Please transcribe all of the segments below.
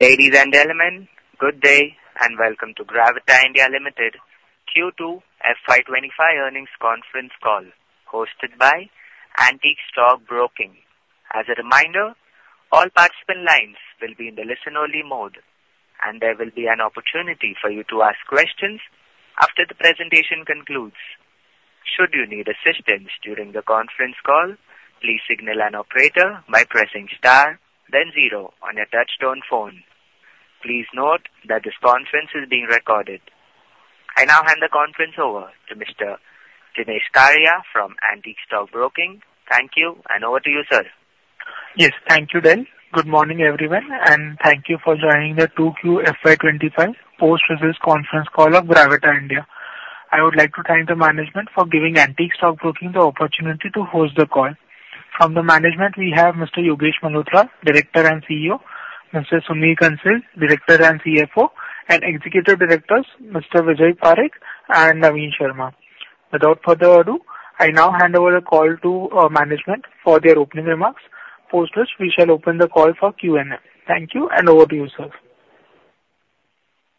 Ladies and gentlemen, good day, and welcome to Gravita India Limited Q2 FY25 earnings conference call, hosted by Antique Stock Broking. As a reminder, all participant lines will be in the listen-only mode, and there will be an opportunity for you to ask questions after the presentation concludes. Should you need assistance during the conference call, please signal an operator by pressing star then zero on your touchtone phone. Please note that this conference is being recorded. I now hand the conference over to Mr. Jenish Karia from Antique Stock Broking. Thank you, and over to you, sir. Yes, thank you, Dale. Good morning, everyone, and thank you for joining the two Q FY25 post-results conference call of Gravita India. I would like to thank the management for giving Antique Stock Broking the opportunity to host the call. From the management, we have Mr. Yogesh Malhotra, Director and CEO; Mr. Sunil Kansal, Director and CFO; and Executive Directors, Mr. Vijay Parekh and Naveen Sharma. Without further ado, I now hand over the call to management for their opening remarks. Afterwards, we shall open the call for Q&A. Thank you, and over to you, sir.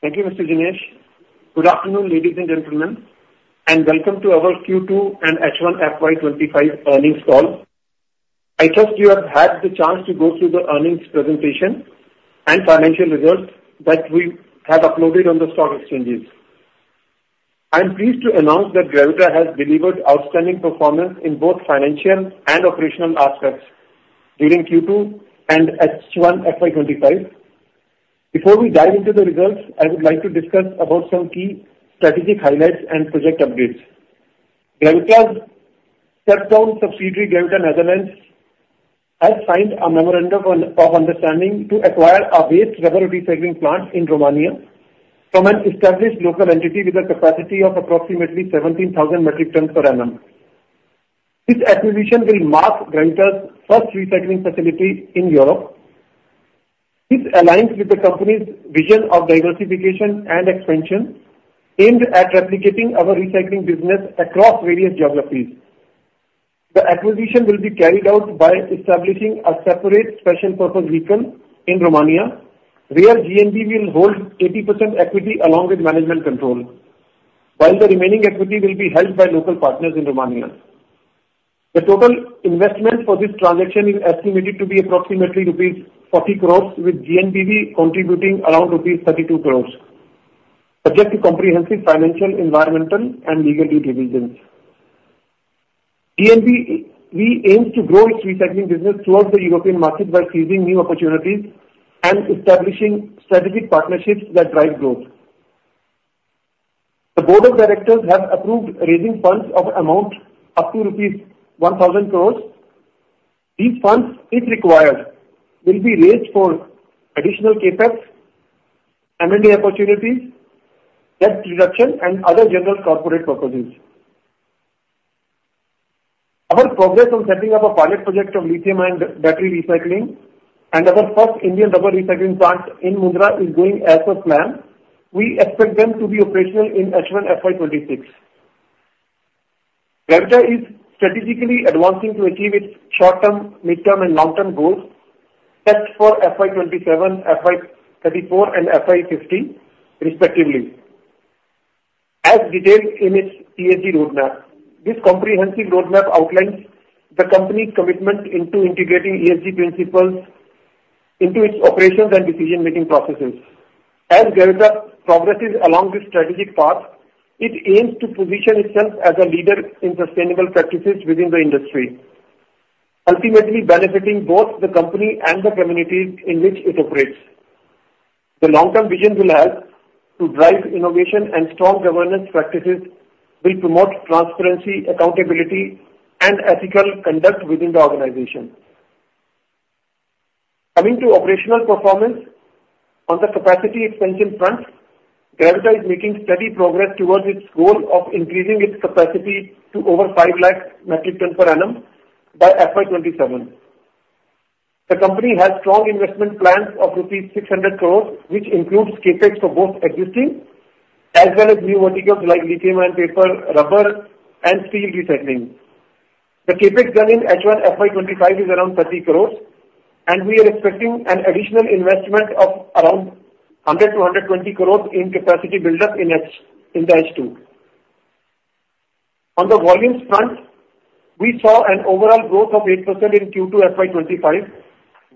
Thank you, Mr. Jenish. Good afternoon, ladies and gentlemen, and welcome to our Q2 and H1 FY 2025 earnings call. I trust you have had the chance to go through the earnings presentation and financial results that we have uploaded on the stock exchanges. I am pleased to announce that Gravita has delivered outstanding performance in both financial and operational aspects during Q2 and H1 FY 2025. Before we dive into the results, I would like to discuss about some key strategic highlights and project updates. Gravita's wholly-owned subsidiary, Gravita Netherlands, has signed a memorandum of understanding to acquire a waste rubber recycling plant in Romania from an established local entity with a capacity of approximately 17,000 metric tons per annum. This acquisition will mark Gravita's first recycling facility in Europe. This aligns with the company's vision of diversification and expansion, aimed at replicating our recycling business across various geographies. The acquisition will be carried out by establishing a separate special purpose vehicle in Romania, where GNV will hold 80% equity along with management control, while the remaining equity will be held by local partners in Romania. The total investment for this transaction is estimated to be approximately rupees 40 crores, with GNBV contributing around rupees 32 crores, subject to comprehensive financial, environmental, and legal due diligence. GNV aims to grow its recycling business towards the European market by seizing new opportunities and establishing strategic partnerships that drive growth. The board of directors have approved raising funds of amount up to rupees 1,000 crores. These funds, if required, will be raised for additional CapEx, M&A opportunities, debt reduction and other general corporate purposes. Our progress on setting up a pilot project of lithium-ion battery recycling and our first Indian rubber recycling plant in Mundra is going as per plan. We expect them to be operational in H1 FY 2026. Gravita is strategically advancing to achieve its short-term, mid-term, and long-term goals, set for FY 2027, FY 2034, and FY 2050, respectively, as detailed in its ESG roadmap. This comprehensive roadmap outlines the company's commitment to integrating ESG principles into its operations and decision-making processes. As Gravita progresses along this strategic path, it aims to position itself as a leader in sustainable practices within the industry, ultimately benefiting both the company and the communities in which it operates. The long-term vision will help to drive innovation, and strong governance practices will promote transparency, accountability, and ethical conduct within the organization. Coming to operational performance, on the capacity expansion front, Gravita is making steady progress towards its goal of increasing its capacity to over 5 lakh metric ton per annum by FY 2027. The company has strong investment plans of rupees 600 crores, which includes CapEx for both existing as well as new verticals like lithium-ion, paper, rubber, and steel recycling. The CapEx done in H1 FY 2025 is around 30 crores, and we are expecting an additional investment of around 100 to 120 crores in capacity buildup in the H2. On the volumes front, we saw an overall growth of 8% in Q2 FY 2025.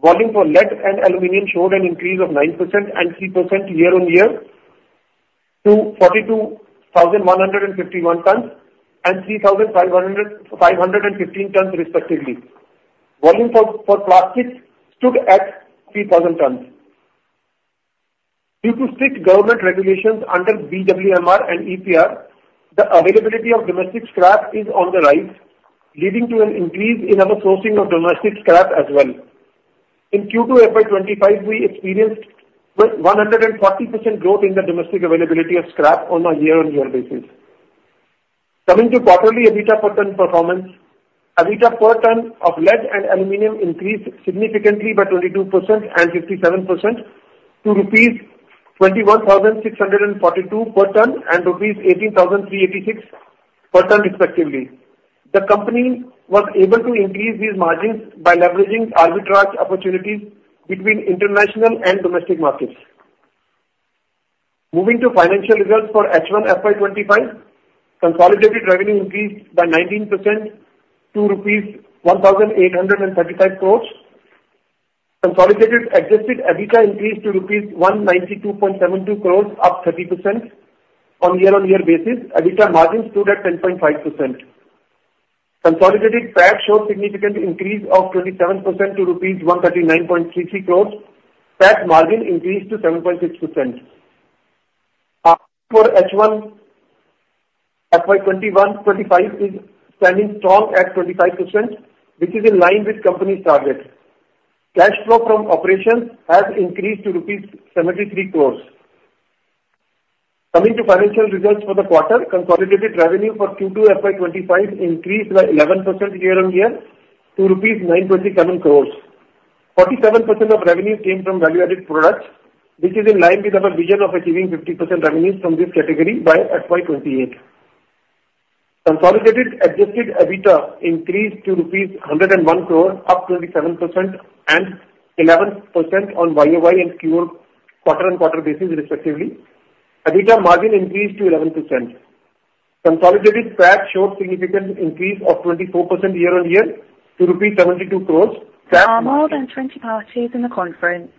Volume for lead and aluminum showed an increase of 9% and 3% year-on-year to 42,101 tons and 3,515 tons, respectively. Volume for plastics stood at 3,000 tons. Due to strict government regulations under BWMR and EPR, the availability of domestic scrap is on the rise, leading to an increase in our sourcing of domestic scrap as well. In Q2 FY 2025, we experienced 140% growth in the domestic availability of scrap on a year-on-year basis. Coming to quarterly EBITDA per ton performance, EBITDA per ton of lead and aluminum increased significantly by 22% and 57% to INR 21,642 per ton and INR 18,386 respectively. The company was able to increase these margins by leveraging arbitrage opportunities between international and domestic markets. Moving to financial results for H1 FY 2025, consolidated revenue increased by 19% to rupees 1,835 crores. Consolidated adjusted EBITDA increased to rupees 192.72 crores, up 30% on year-on-year basis. EBITDA margins stood at 10.5%. Consolidated PAT showed significant increase of 27% to rupees 139.33 crores. PAT margin increased to 7.6%. For H1 FY 2025 is standing strong at 25%, which is in line with company's target. Cash flow from operations has increased to rupees 73 crores. Coming to financial results for the quarter, consolidated revenue for Q2 FY 2025 increased by 11% year on year to rupees 927 crores. 47% of revenue came from value-added products, which is in line with our vision of achieving 50% revenues from this category by FY 2028. Consolidated adjusted EBITDA increased to rupees 101 crore, up 27% and 11% on YOY and QoQ basis, respectively. EBITDA margin increased to 11%. Consolidated PAT showed significant increase of 24% year on year to rupees 72 crores. There are more than 20 parties in the conference.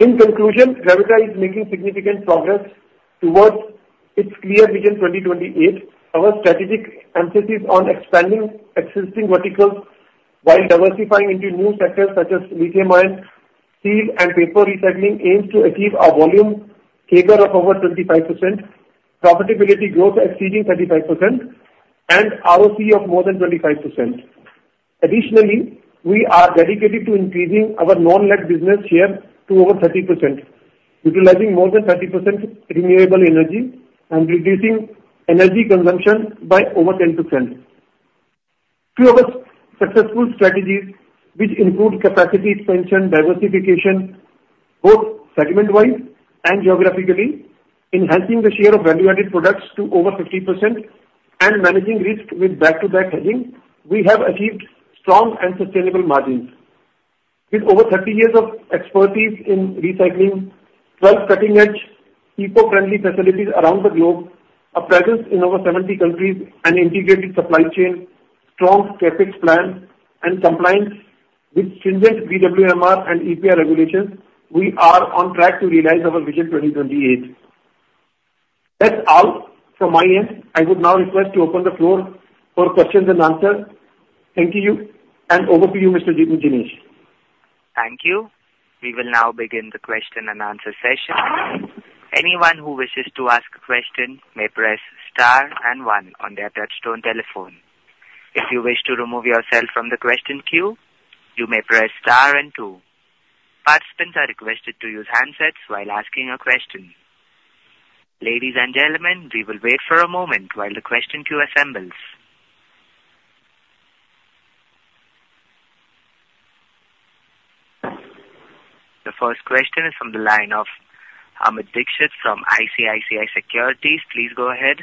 In conclusion, Gravita is making significant progress towards its clear Vision 2028. Our strategic emphasis on expanding existing verticals while diversifying into new sectors such as lithium ion, steel and paper recycling aims to achieve a volume CAGR of over 25%, profitability growth exceeding 35%, and ROC of more than 25%. Additionally, we are dedicated to increasing our non-lead business share to over 30%, utilizing more than 30% renewable energy and reducing energy consumption by over 10%. Through our successful strategies, which include capacity expansion, diversification, both segment-wide and geographically, enhancing the share of value-added products to over 50%, and managing risk with back-to-back hedging, we have achieved strong and sustainable margins. With over thirty years of expertise in recycling, twelve cutting-edge eco-friendly facilities around the globe, a presence in over seventy countries, an integrated supply chain, strong CapEx plan, and compliance with stringent BWMR and EPR regulations, we are on track to realize our Vision 2028. That's all from my end. I would now request to open the floor for questions and answers. Thank you, and over to you, Mr. Deepu Dinesh. Thank you. We will now begin the question and answer session. Anyone who wishes to ask a question may press star and one on their touchtone telephone. If you wish to remove yourself from the question queue, you may press star and two. Participants are requested to use handsets while asking a question. Ladies and gentlemen, we will wait for a moment while the question queue assembles. The first question is from the line of Amit Dixit from ICICI Securities. Please go ahead.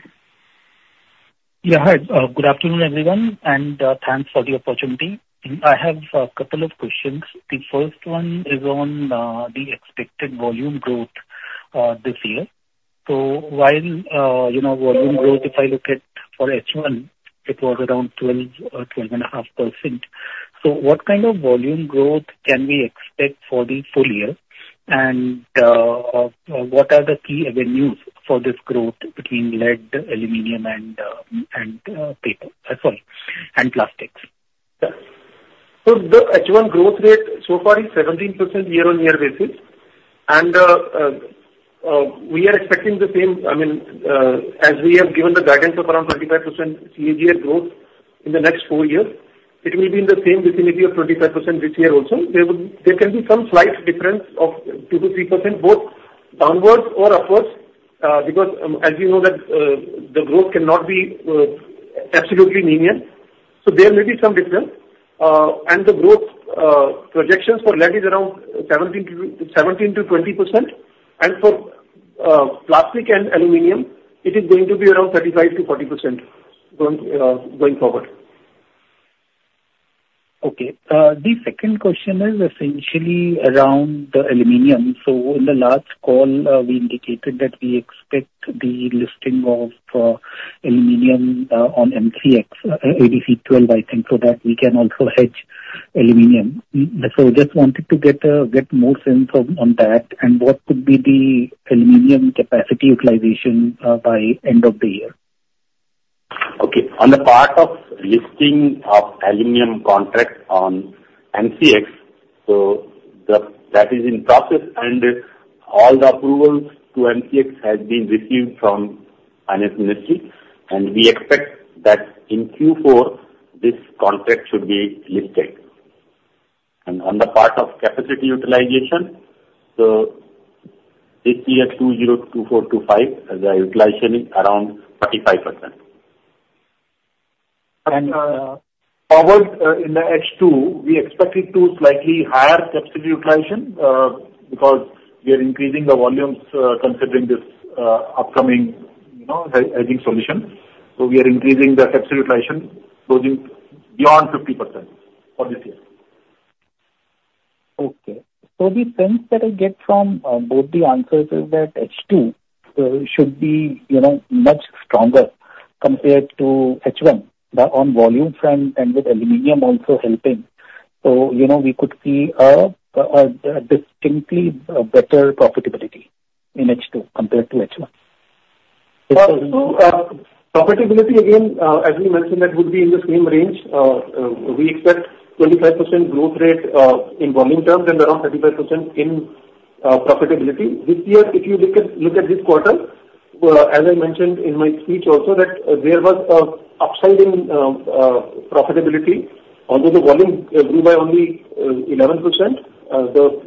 Yeah, hi. Good afternoon, everyone, and thanks for the opportunity. I have a couple of questions. The first one is on the expected volume growth this year. So while you know, volume growth, if I look at for H1, it was around 12.5%. So what kind of volume growth can we expect for the full year? And what are the key avenues for this growth between lead, aluminum, and paper? Sorry, and plastics. The H1 growth rate so far is 17% year-on-year basis, and we are expecting the same. I mean, as we have given the guidance of around 25% CAGR growth in the next four years, it will be in the same vicinity of 25% this year also. There can be some slight difference of 2-3%, both downwards or upwards, because as you know, that the growth cannot be absolutely linear. So there may be some difference. And the growth projections for lead is around 17-20%. And for plastic and aluminum, it is going to be around 35-40% going forward. Okay. The second question is essentially around the aluminum. So in the last call, we indicated that we expect the listing of aluminum on MCX, ADC-12, I think, so that we can also hedge aluminum. So just wanted to get more sense on that and what could be the aluminum capacity utilization by end of the year? Okay, on the part of listing of aluminum contracts on MCX, so that, that is in process and all the approvals to MCX has been received from Finance Ministry, and we expect that in Q4, this contract should be listed, and on the part of capacity utilization, so this year, 2024-25, the utilization is around 35%, and going forward, in the H2, we expect it to slightly higher capacity utilization, because we are increasing the volumes, considering this upcoming, you know, hedging solution, so we are increasing the capacity utilization going beyond 50% for this year. Okay. So the sense that I get from both the answers is that H2 should be, you know, much stronger compared to H1, the on volumes front and with aluminum also helping. So, you know, we could see a distinctly better profitability in H2 compared to H1. So, profitability, again, as we mentioned, that would be in the same range. We expect 25% growth rate in volume terms and around 35% in profitability. This year, if you look at this quarter, as I mentioned in my speech also, that there was an upside in profitability. Although the volume grew by only 11%, the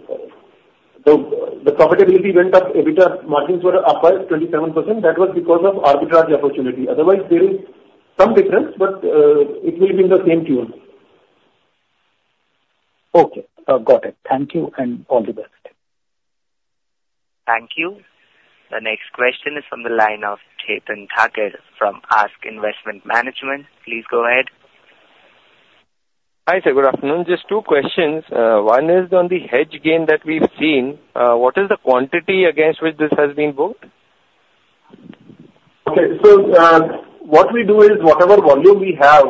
profitability went up, EBITDA margins were up by 27%. That was because of arbitrage opportunity. Otherwise, there is some difference, but it will be in the same tune. Okay, got it. Thank you, and all the best. Thank you. The next question is from the line of Chetan Thakur from Ask Investment Managers. Please go ahead. Hi, sir. Good afternoon. Just two questions. One is on the hedge gain that we've seen. What is the quantity against which this has been booked? Okay. So, what we do is, whatever volume we have,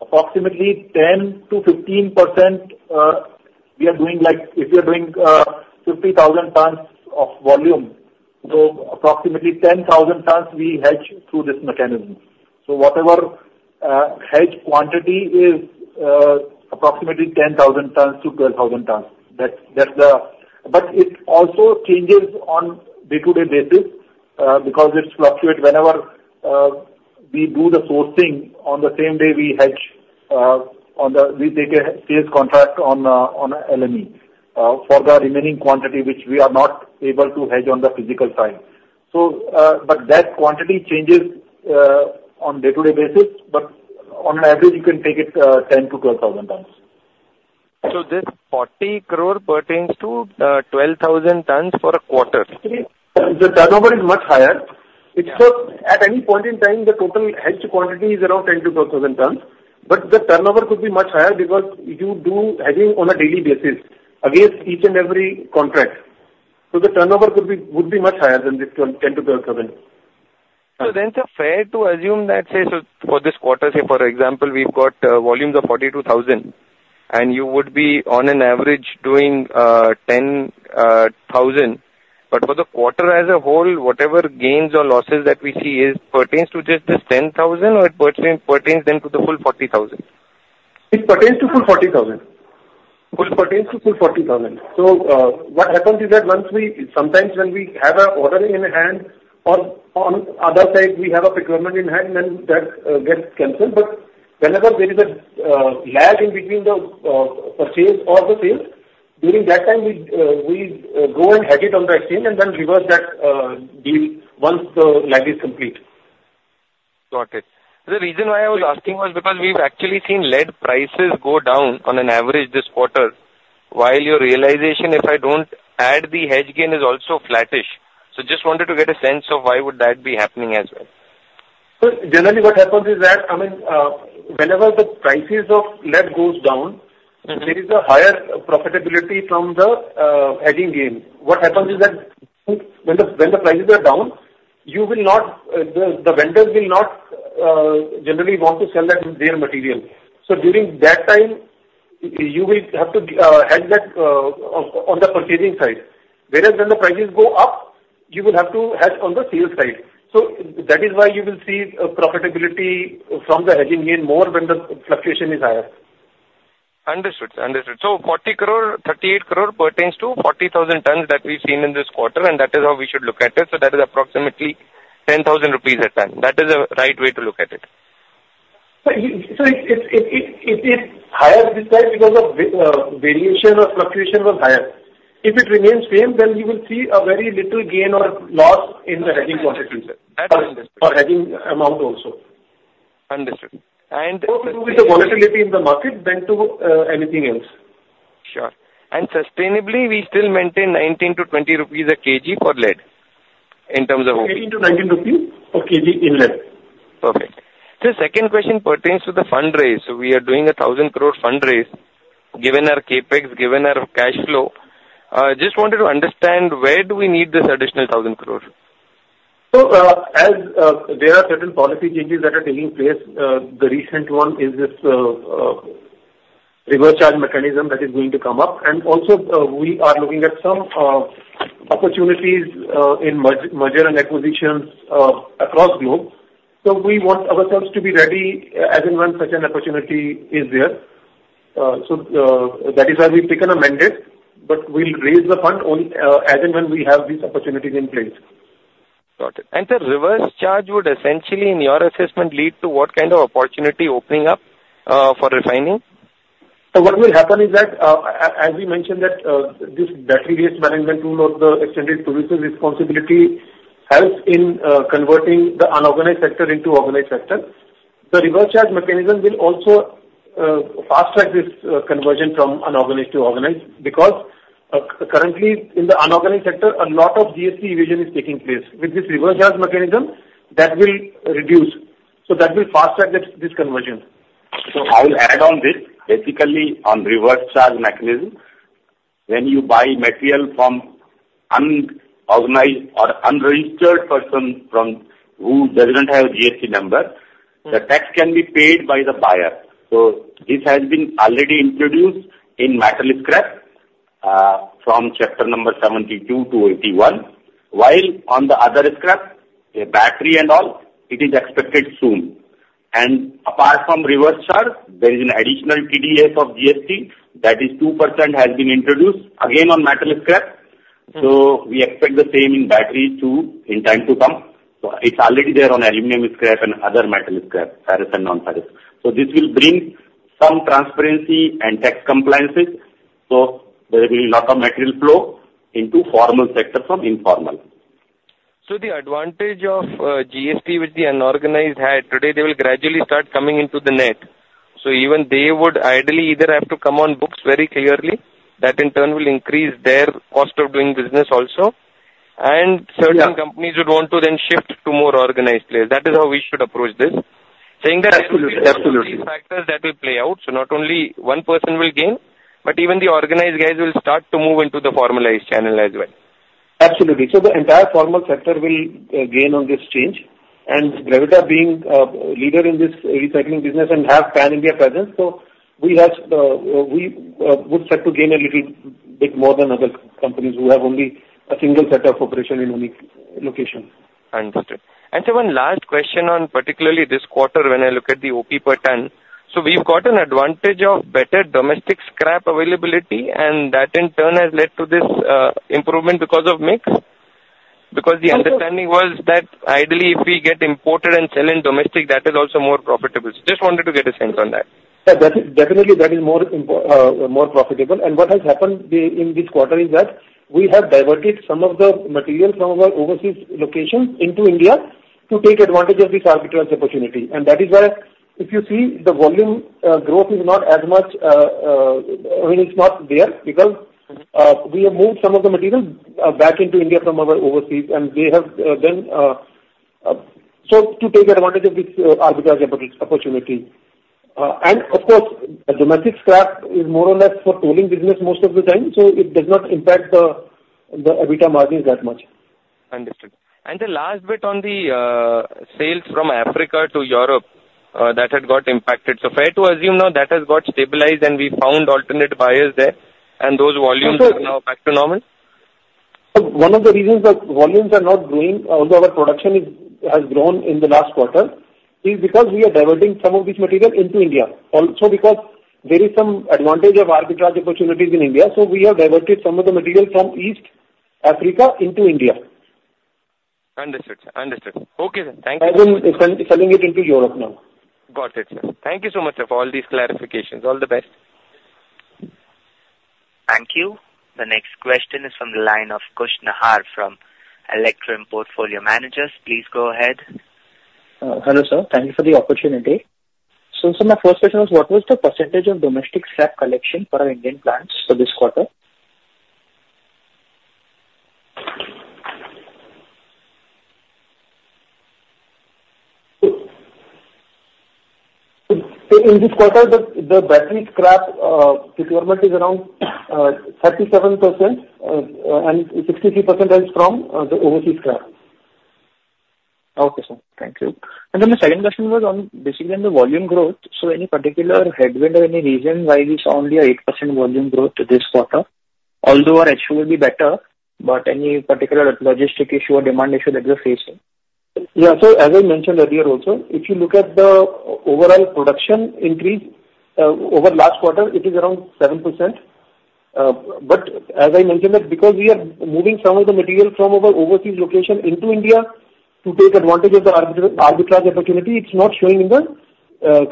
approximately 10-15%, we are doing like, if we are doing, 50,000 tons of volume, so approximately 10,000 tons we hedge through this mechanism. So whatever, hedge quantity is, approximately 10,000 tons to 12,000 tons. That's the... But it also changes on day-to-day basis, because it's fluctuate whenever, we do the sourcing, on the same day we hedge, we take a sales contract on a, on a LME, for the remaining quantity, which we are not able to hedge on the physical side. So, but that quantity changes, on day-to-day basis, but on an average you can take it, 10-12,000 tons. This 40 crore pertains to 12,000 tons for a quarter? The turnover is much higher. Yeah. It's so at any point in time, the total hedge quantity is around 10-12 thousand tons, but the turnover could be much higher because you do hedging on a daily basis against each and every contract. So the turnover could be, would be much higher than this 10-12 thousand. So then, sir, fair to assume that, say, so for this quarter, say, for example, we've got volumes of forty-two thousand, and you would be on an average doing ten thousand. But for the quarter as a whole, whatever gains or losses that we see is pertains to just this ten thousand, or it pertains then to the full forty thousand? It pertains to full 40,000. So, what happens is that once we sometimes when we have an order in hand, or on other side, we have a procurement in hand, then that gets canceled. But whenever there is a lag in between the purchase or the sale, during that time, we go and hedge it on the exchange and then reverse that deal once the lag is complete. Got it. The reason why I was asking was because we've actually seen lead prices go down on an average this quarter, while your realization, if I don't add the hedge gain, is also flattish. So just wanted to get a sense of why would that be happening as well? So generally what happens is that, I mean, whenever the prices of lead goes down, there is a higher profitability from the hedging gain. What happens is that when the prices are down, the vendors will not generally want to sell that raw material. So during that time, you will have to hedge that on the purchasing side. Whereas when the prices go up, you will have to hedge on the sales side. So that is why you will see a profitability from the hedging gain more when the fluctuation is higher. Understood. Understood. So 40 crore, 38 crore pertains to 40,000 tons that we've seen in this quarter, and that is how we should look at it. So that is approximately 10,000 rupees a ton. That is the right way to look at it. So, it's higher this time because of variation or fluctuation was higher. If it remains same, then you will see a very little gain or loss in the hedging profitability- Understood. or hedging amount also. Understood. And- More to do with the volatility in the market than to anything else. Sure, and sustainably, we still maintain 19-20 rupees a kg for lead in terms of- 18-19 rupees per kg in lead. Perfect. So second question pertains to the fundraise. We are doing a thousand crore fundraise, given our CapEx, given our cash flow, just wanted to understand where do we need this additional thousand crores? So, as there are certain policy changes that are taking place, the recent one is this reverse charge mechanism that is going to come up. And also, we are looking at some opportunities in merger and acquisitions across globe. So we want ourselves to be ready as and when such an opportunity is there. So, that is why we've taken a mandate, but we'll raise the fund only as and when we have these opportunities in place. Got it. And sir, reverse charge would essentially, in your assessment, lead to what kind of opportunity opening up, for refining?... So what will happen is that, as we mentioned that, this battery waste management rule or the extended producer responsibility helps in converting the unorganized sector into organized sector. The reverse charge mechanism will also fast-track this conversion from unorganized to organized, because currently in the unorganized sector, a lot of GST evasion is taking place. With this reverse charge mechanism, that will reduce, so that will fast-track this conversion. I will add on this. Basically, on reverse charge mechanism, when you buy material from unorganized or unregistered person from who doesn't have GST number, the tax can be paid by the buyer. This has been already introduced in metal scrap from chapter number seventy-two to eighty-one, while on the other scrap, the battery and all, it is expected soon. Apart from reverse charge, there is an additional TDS of GST, that is 2% has been introduced again on metal scrap. We expect the same in battery too, in time to come. It's already there on aluminum scrap and other metal scrap, ferrous and non-ferrous. This will bring some transparency and tax compliances, so there will be lot of material flow into formal sector from informal. So the advantage of GST which the unorganized had, today they will gradually start coming into the net. So even they would ideally either have to come on books very clearly, that in turn will increase their cost of doing business also. Yeah. And certain companies would want to then shift to more organized players. That is how we should approach this, saying that- Absolutely. Absolutely. These factors that will play out, so not only one person will gain, but even the organized guys will start to move into the formalized channel as well. Absolutely. So the entire formal sector will gain on this change, and Gravita being leader in this e-recycling business and have pan-India presence, so we would set to gain a little bit more than other companies who have only a single set of operation in unique location. Understood. And sir, one last question on particularly this quarter, when I look at the OP per ton. So we've got an advantage of better domestic scrap availability, and that in turn has led to this, improvement because of mix? Because the understanding was that ideally if we get imported and sell in domestic, that is also more profitable. So just wanted to get a sense on that. Yeah, definitely that is more profitable. And what has happened in this quarter is that we have diverted some of the material from our overseas locations into India to take advantage of this arbitrage opportunity. And that is why, if you see, the volume growth is not as much. I mean, it's not there, because- Mm-hmm. We have moved some of the material back into India from our overseas, and we have then so to take advantage of this arbitrage opportunity, and of course, the domestic scrap is more or less for tolling business most of the time, so it does not impact the EBITDA margins that much. Understood. And the last bit on the sales from Africa to Europe that had got impacted. So fair to assume now that has got stabilized and we found alternate buyers there, and those volumes are now back to normal? One of the reasons the volumes are not growing, although our production has grown in the last quarter, is because we are diverting some of this material into India. Also, because there is some advantage of arbitrage opportunities in India, so we have diverted some of the material from East Africa into India. Understood, sir. Understood. Okay, sir, thank you. As in, selling, selling it into Europe now. Got it, sir. Thank you so much for all these clarifications. All the best. Thank you. The next question is from the line of Kush Nahar from Electrum Portfolio Managers. Please go ahead. Hello, sir, thank you for the opportunity. So, sir, my first question was, what was the percentage of domestic scrap collection for our Indian plants for this quarter? So in this quarter, the battery scrap procurement is around 37%, and 63% is from the overseas scrap. Okay, sir, thank you. And then the second question was basically on the volume growth. So any particular headwind or any reason why we saw only an 8% volume growth this quarter? Although our actual will be better, but any particular logistic issue or demand issue that you are facing. Yeah, so as I mentioned earlier also, if you look at the overall production increase over last quarter, it is around 7%. But as I mentioned that because we are moving some of the material from our overseas location into India to take advantage of the arbitrage opportunity, it's not showing in the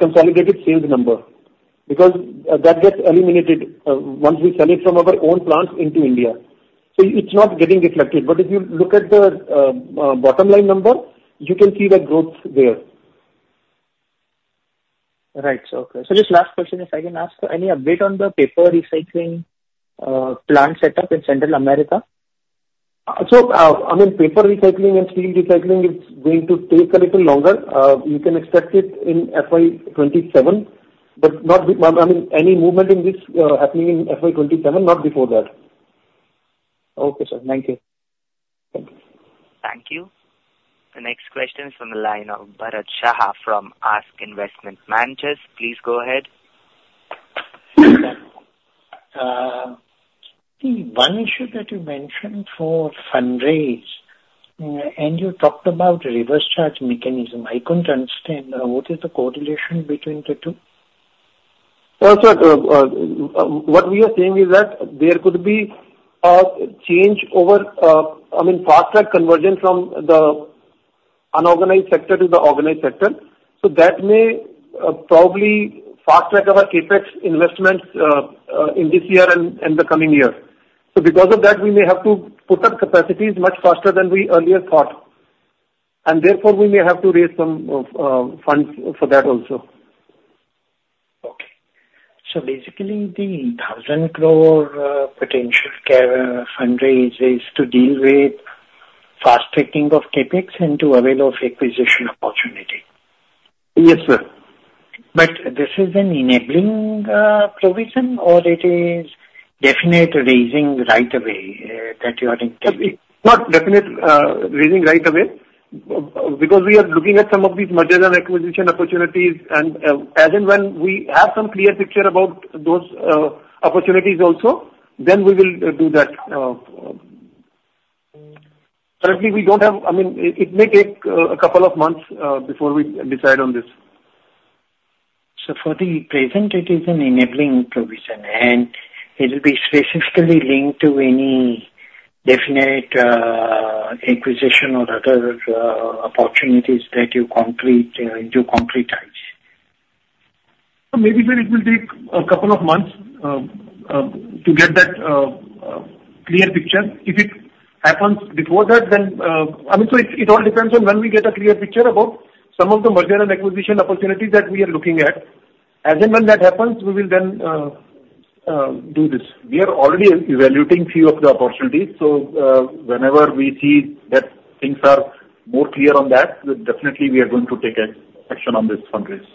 consolidated sales number, because that gets eliminated once we sell it from our own plants into India. So it's not getting reflected. But if you look at the bottom line number, you can see the growth there. Right. Okay. So just last question, if I can ask, any update on the paper recycling plant setup in Central America? So, I mean, paper recycling and steel recycling, it's going to take a little longer. You can expect it in FY 2027, but not before, I mean, any movement in this happening in FY 2027, not before that. Okay, sir. Thank you. Thank you. Thank you. The next question is from the line of Bharat Shah from Ask Investment Managers. Please go ahead. The one issue that you mentioned for fundraise, and you talked about reverse charge mechanism, I couldn't understand what is the correlation between the two? Sir, what we are saying is that there could be a change over, I mean, fast-track conversion from the unorganized sector to the organized sector. So that may probably fast track our CapEx investments in this year and the coming year. So because of that, we may have to put up capacities much faster than we earlier thought, and therefore, we may have to raise some funds for that also. Okay. So basically, the 1,000 crore potential fundraise is to deal with fast-tracking of CapEx and to avail of acquisition opportunity? Yes, sir. But this is an enabling provision, or it is definite raising right away that you are intending? Not definite raising right away. Because we are looking at some of these merger and acquisition opportunities, and as and when we have some clear picture about those opportunities also, then we will do that. Currently, we don't have. I mean, it may take a couple of months before we decide on this. For the present, it is an enabling provision, and it will be specifically linked to any definite acquisition or other opportunities that you concretize. Maybe, sir, it will take a couple of months to get that clear picture. If it happens before that, then I mean, so it all depends on when we get a clear picture about some of the merger and acquisition opportunities that we are looking at. As and when that happens, we will then do this. We are already evaluating few of the opportunities, so whenever we see that things are more clear on that, definitely we are going to take an action on this fundraise.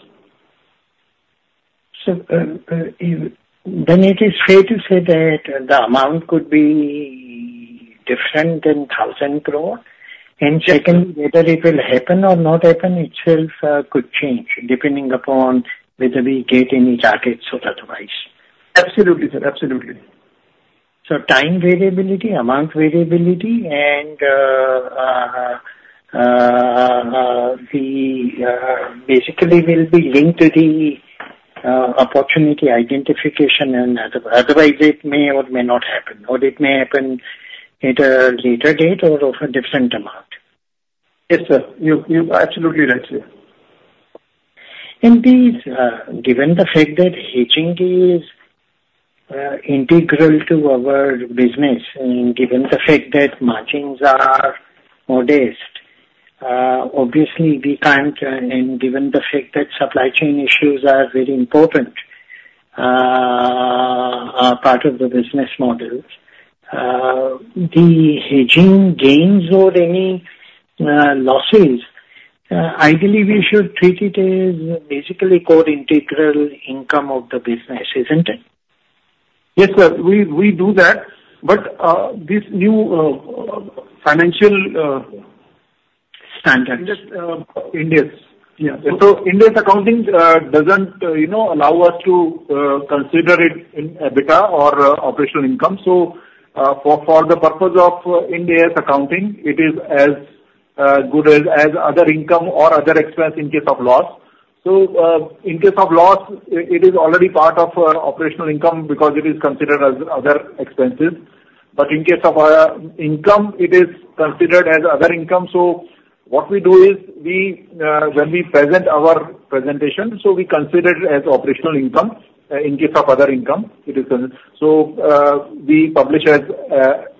So, then it is fair to say that the amount could be different than 1,000 crore? And second, whether it will happen or not happen, itself, could change depending upon whether we get any targets or otherwise. Absolutely, sir. Absolutely. So time variability, amount variability, and basically will be linked to the opportunity identification. Otherwise it may or may not happen, or it may happen at a later date or of a different amount. Yes, sir. You're absolutely right, sir. And please, given the fact that hedging is integral to our business, and given the fact that margins are modest, obviously we can't... And given the fact that supply chain issues are very important part of the business models, the hedging gains or any losses, ideally we should treat it as basically core integral income of the business, isn't it? Yes, sir, we do that. But, this new, Financial standards. Just, Ind AS. Yeah. Ind AS accounting doesn't, you know, allow us to consider it in EBITDA or operational income. So, for the purpose of Ind AS accounting, it is as good as other income or other expense in case of loss. So, in case of loss, it is already part of our operational income because it is considered as other expenses. But in case of income, it is considered as other income. So what we do is, we, when we present our presentation, so we consider it as operational income, in case of other income, it is then. So, we publish as,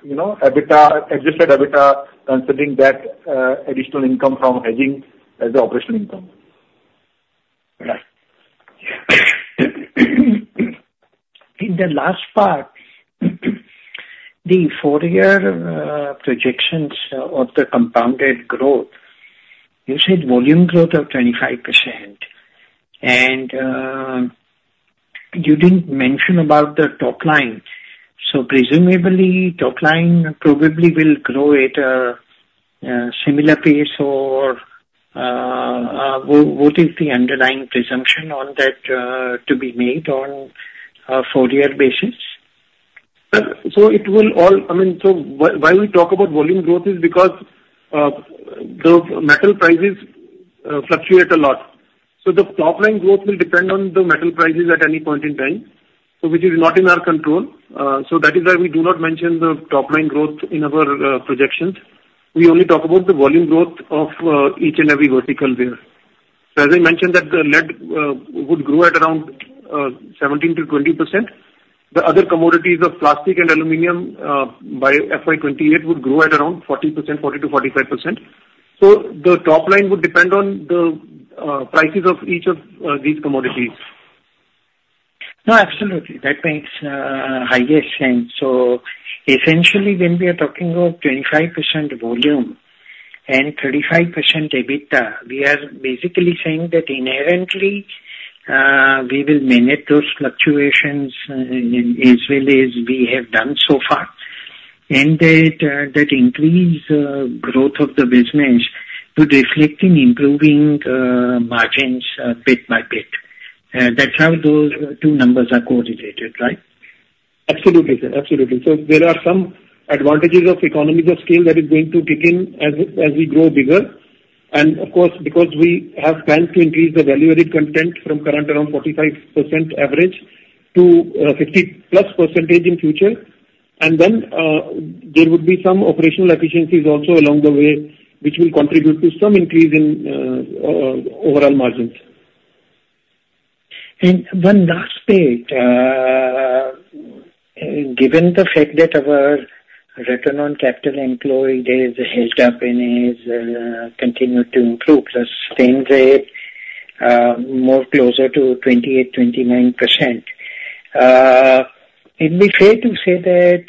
you know, EBITDA, adjusted EBITDA, considering that additional income from hedging as operational income. Right. In the last part, the four-year projections of the compounded growth, you said volume growth of 25%, and you didn't mention about the top line. So presumably, top line probably will grow at a what is the underlying presumption on that to be made on a four-year basis? I mean, why we talk about volume growth is because the metal prices fluctuate a lot. So the top line growth will depend on the metal prices at any point in time, so which is not in our control. So that is why we do not mention the top line growth in our projections. We only talk about the volume growth of each and every vertical there. So as I mentioned, that the lead would grow at around 17%-20%. The other commodities of plastic and aluminum by FY 2028 would grow at around 40%, 40%-45%. So the top line would depend on the prices of each of these commodities. No, absolutely. That makes highest sense. So essentially, when we are talking of 25% volume and 35% EBITDA, we are basically saying that inherently, we will manage those fluctuations as well as we have done so far, and that increase growth of the business to reflecting improving margins bit by bit. That's how those two numbers are correlated, right? Absolutely, sir. Absolutely. So there are some advantages of economies of scale that is going to kick in as we grow bigger. And of course, because we have plans to increase the value-added content from current around 45% average to 50-plus % in future. And then there would be some operational efficiencies also along the way, which will contribute to some increase in overall margins. One last bit, given the fact that our return on capital employed is held up and is continued to improve the same rate, more closer to 28-29%. It'd be fair to say that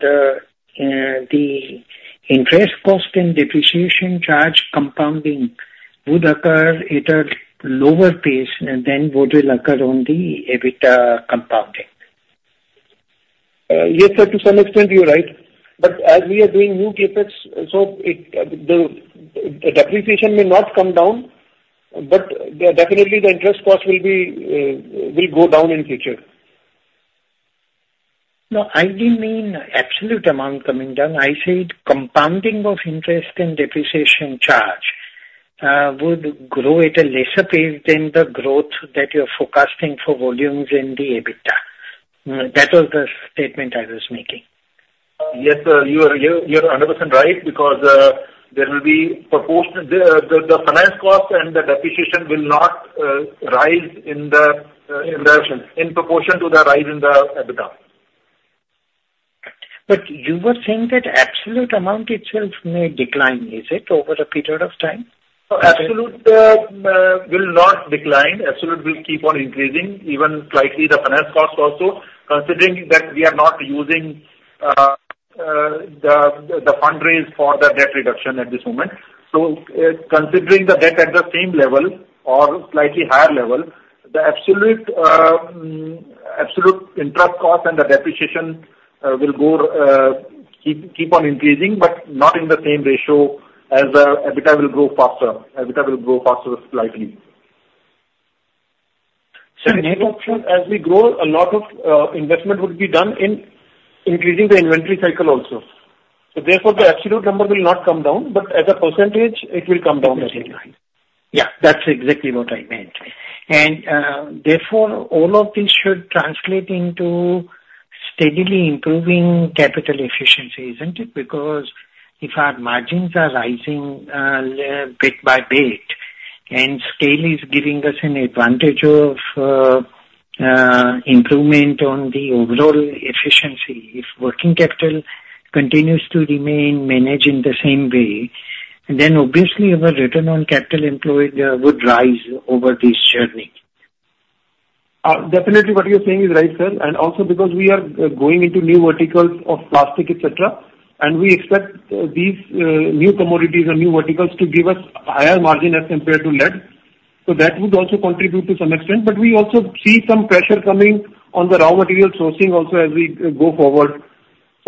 the interest cost and depreciation charge compounding would occur at a lower pace than what will occur on the EBITDA compounding? Yes, sir, to some extent you're right. But as we are doing new CapEx, so it, the depreciation may not come down, but definitely the interest cost will go down in future. No, I didn't mean absolute amount coming down. I said compounding of interest and depreciation charge would grow at a lesser pace than the growth that you're forecasting for volumes in the EBITDA. That was the statement I was making. Yes, sir, you are 100% right, because there will be the finance cost and the depreciation will not rise in proportion to the rise in the EBITDA. But you were saying that absolute amount itself may decline, is it, over a period of time? Absolute will not decline. Absolute will keep on increasing even slightly the finance cost also, considering that we are not using the fundraise for the debt reduction at this moment. So, considering the debt at the same level or slightly higher level, the absolute interest cost and the depreciation will keep on increasing, but not in the same ratio as the EBITDA will grow faster. EBITDA will grow faster slightly. Sir, as we grow, a lot of investment would be done in increasing the inventory cycle also. So therefore, the absolute number will not come down, but as a percentage it will come down slightly. Yeah, that's exactly what I meant. And, therefore, all of this should translate into steadily improving capital efficiency, isn't it? Because if our margins are rising, bit by bit, and scale is giving us an advantage of improvement on the overall efficiency, if working capital continues to remain managed in the same way, then obviously our return on capital employed would rise over this journey. Definitely what you're saying is right, sir, and also because we are going into new verticals of plastic, et cetera, and we expect these new commodities or new verticals to give us higher margin as compared to lead. So that would also contribute to some extent, but we also see some pressure coming on the raw material sourcing also as we go forward.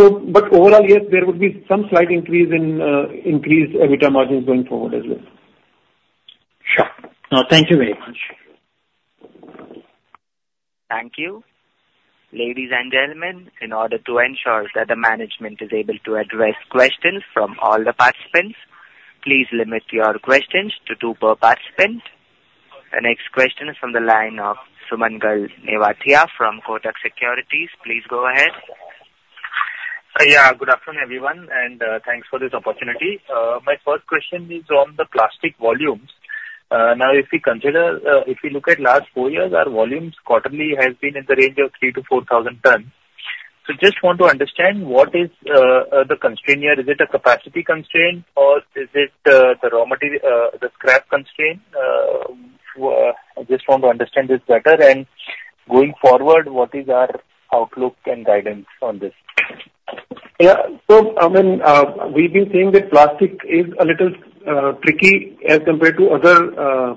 So but overall, yes, there would be some slight increase in EBITDA margins going forward as well. Sure. Now, thank you very much. Thank you. Ladies and gentlemen, in order to ensure that the management is able to address questions from all the participants, please limit your questions to two per participant. The next question is from the line of Sumangal Nevatia from Kotak Securities. Please go ahead. Yeah, good afternoon, everyone, and thanks for this opportunity. My first question is on the plastic volumes. Now, if we consider, if we look at last four years, our volumes quarterly has been in the range of three to four thousand tons. So just want to understand, what is the constraint here? Is it a capacity constraint or is it the scrap constraint? I just want to understand this better. And going forward, what is our outlook and guidance on this? Yeah. So, I mean, we've been saying that plastic is a little tricky as compared to other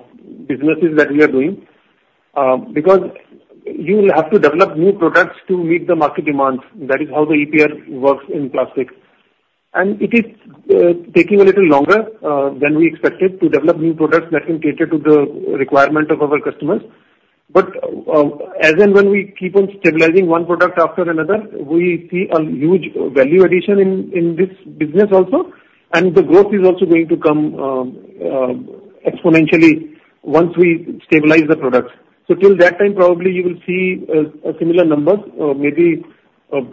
businesses that we are doing because you will have to develop new products to meet the market demands. That is how the EPR works in plastics. And it is taking a little longer than we expected to develop new products that can cater to the requirement of our customers. But as and when we keep on stabilizing one product after another, we see a huge value addition in this business also. And the growth is also going to come exponentially once we stabilize the products. So till that time, probably you will see a similar numbers, maybe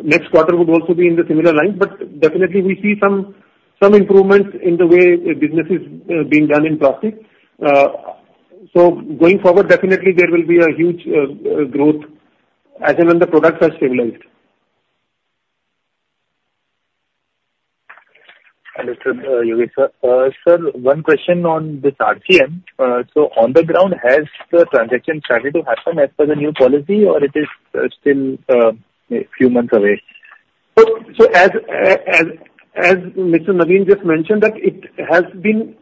next quarter would also be in the similar line, but definitely we see some improvements in the way business is being done in plastic. So going forward, definitely there will be a huge growth as and when the products are stabilized. Mr. Yogi, sir, one question on this RCM. So on the ground, has the transaction started to happen as per the new policy, or it is still a few months away? So as Mr. Naveen just mentioned, that it has been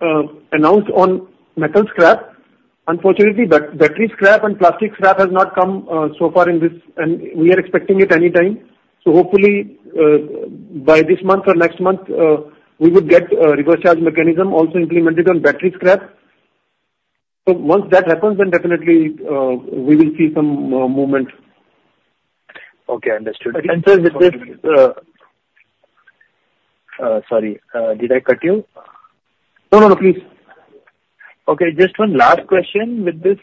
announced on metal scrap. Unfortunately, battery scrap and plastic scrap has not come so far in this, and we are expecting it anytime. So hopefully, by this month or next month, we would get reverse charge mechanism also implemented on battery scrap. So once that happens, then definitely, we will see some movement. Okay, understood. Sir, with this,... Sorry, did I cut you? No, no, no, please. Okay, just one last question. With this,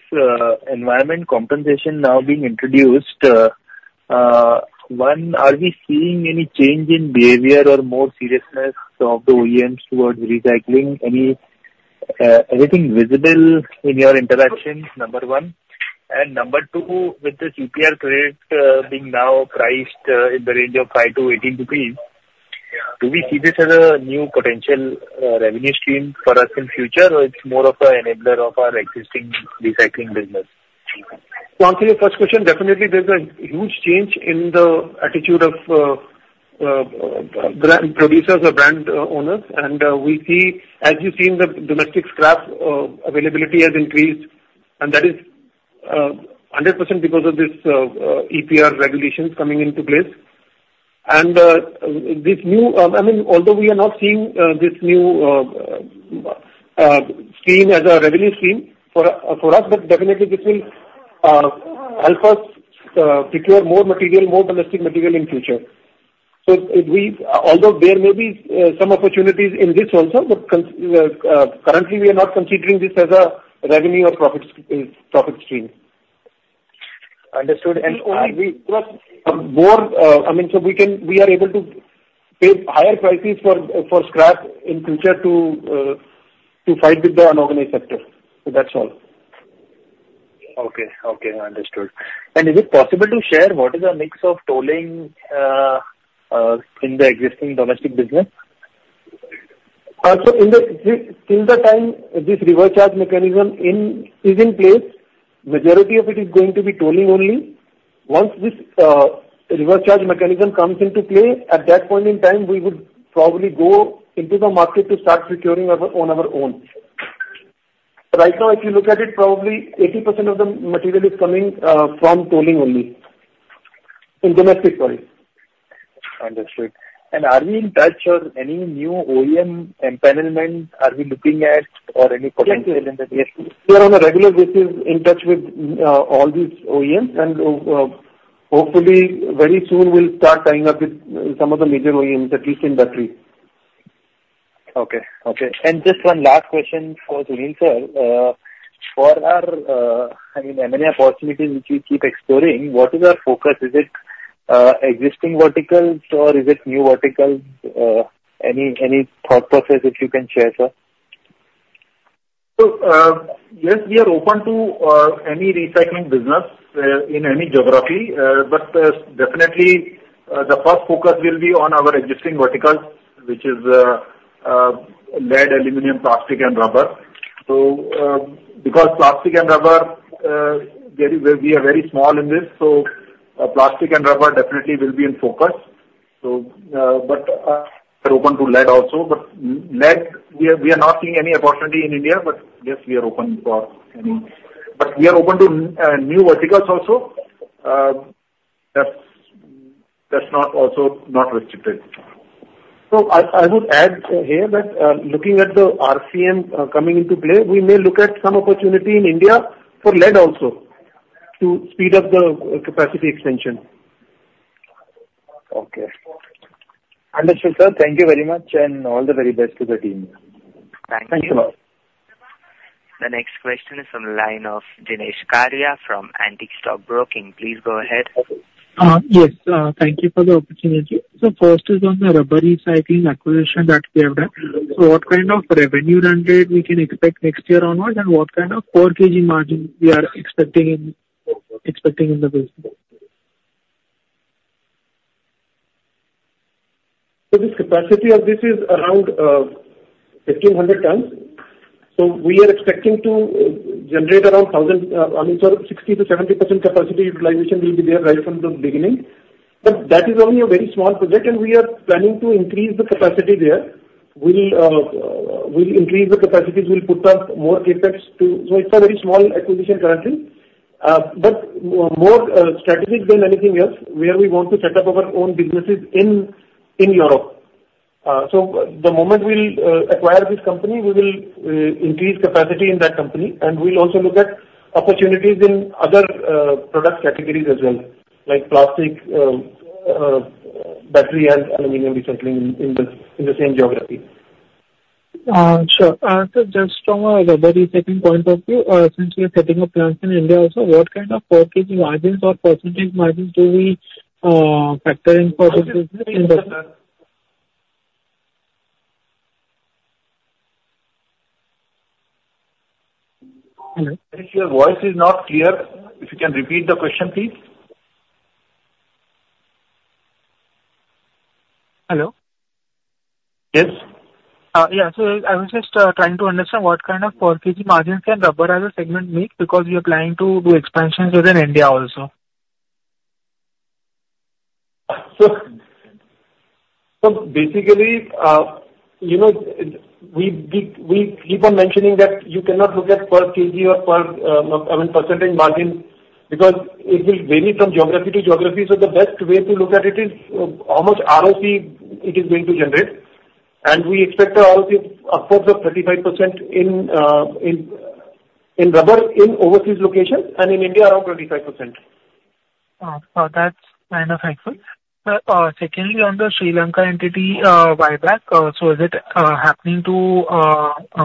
environmental compensation now being introduced, one, are we seeing any change in behavior or more seriousness of the OEMs towards recycling? Any, anything visible in your interactions? Number one. And number two, with the EPR credit, being now priced, in the range of 5-18 rupees, do we see this as a new potential, revenue stream for us in future, or it's more of a enabler of our existing recycling business? To answer your first question: definitely, there's a huge change in the attitude of brand producers or brand owners. And, we see. As you've seen, the domestic scrap availability has increased, and that is 100% because of this EPR regulations coming into place. And, this new, I mean, although we are not seeing this new scheme as a revenue scheme for for us, but definitely this will help us procure more material, more domestic material in future. So, although there may be some opportunities in this also, but currently, we are not considering this as a revenue or profit profit stream. Understood. And- Only we more, I mean, so we are able to pay higher prices for scrap in future to fight with the unorganized sector. So that's all. Okay. Okay, understood. And is it possible to share what is our mix of tolling in the existing domestic business? So until the time this reverse charge mechanism is in place, majority of it is going to be tolling only. Once this reverse charge mechanism comes into play, at that point in time, we would probably go into the market to start procuring on our own. Right now, if you look at it, probably 80% of the material is coming from tolling only, in domestic, sorry. Understood, and are we in touch with any new OEM empanelment? Are we looking at any potential in the future? Yes, we are on a regular basis in touch with all these OEMs, and hopefully, very soon we'll start tying up with some of the major OEMs, at least in battery. Okay. Okay. Just one last question for Sunil, sir. For our, I mean, M&A opportunities which we keep exploring, what is our focus? Is it existing verticals or is it new verticals? Any thought process which you can share, sir? Yes, we are open to any recycling business in any geography. But definitely, the first focus will be on our existing verticals, which is lead, aluminum, plastic and rubber. Because plastic and rubber, we are very small in this, so plastic and rubber definitely will be in focus. But we're open to lead also. But lead, we are not seeing any opportunity in India, but yes, we are open for any. But we are open to new verticals also. That's not also not restricted. So I would add here that, looking at the RCM, coming into play, we may look at some opportunity in India for lead also, to speed up the capacity extension. Okay. Understood, sir. Thank you very much, and all the very best to the team. Thank you. Thanks a lot. The next question is from the line of Jenish Karia from Antique Stock Broking. Please go ahead. Thank you for the opportunity. First is on the rubber recycling acquisition that we have done. What kind of revenue run rate we can expect next year onwards, and what kind of per kg margin we are expecting in the business? This capacity of this is around 1,500 tons. We are expecting to generate around 1,000, I mean, sort of 60%-70% capacity utilization will be there right from the beginning. But that is only a very small project, and we are planning to increase the capacity there. We'll increase the capacities. We'll put up more CapEx to... It's a very small acquisition currently, but more strategic than anything else, where we want to set up our own businesses in Europe. The moment we'll acquire this company, we will increase capacity in that company, and we'll also look at opportunities in other product categories as well, like plastic, battery and aluminum recycling in the same geography. Sure. So just from a rubber recycling point of view, since we are setting up plants in India also, what kind of per kg margins or percentage margins do we factor in for the business? Your voice is not clear. If you can repeat the question, please. Hello? Yes. Yeah, so I was just trying to understand what kind of per kg margins can rubber as a segment make, because we are planning to do expansions within India also. Basically, you know, we keep on mentioning that you cannot look at per kg or per, I mean, percentage margin, because it will vary from geography to geography. The best way to look at it is how much ROC it is going to generate. We expect the ROC upwards of 35% in rubber in overseas locations, and in India, around 25%.... that's kind of helpful. Secondly, on the Sri Lanka entity buyback, so is it happening to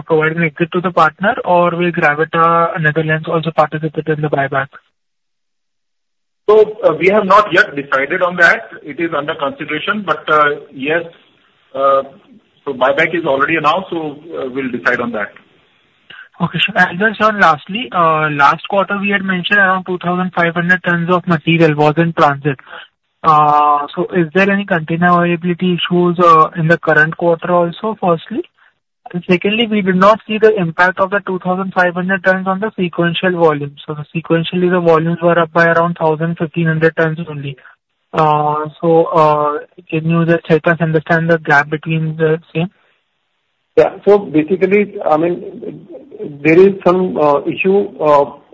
provide an exit to the partner, or will Gravita Netherlands also participate in the buyback? We have not yet decided on that. It is under consideration, but, yes, so buyback is already announced, so, we'll decide on that. Okay, sure. And then, sir, lastly, last quarter we had mentioned around two thousand five hundred tons of material was in transit. So is there any container availability issues in the current quarter also, firstly? And secondly, we did not see the impact of the two thousand five hundred tons on the sequential volume. So sequentially, the volumes were up by around thousand, fifteen hundred tons only. So, can you just help us understand the gap between the same? Yeah. So basically, I mean, there is some issue,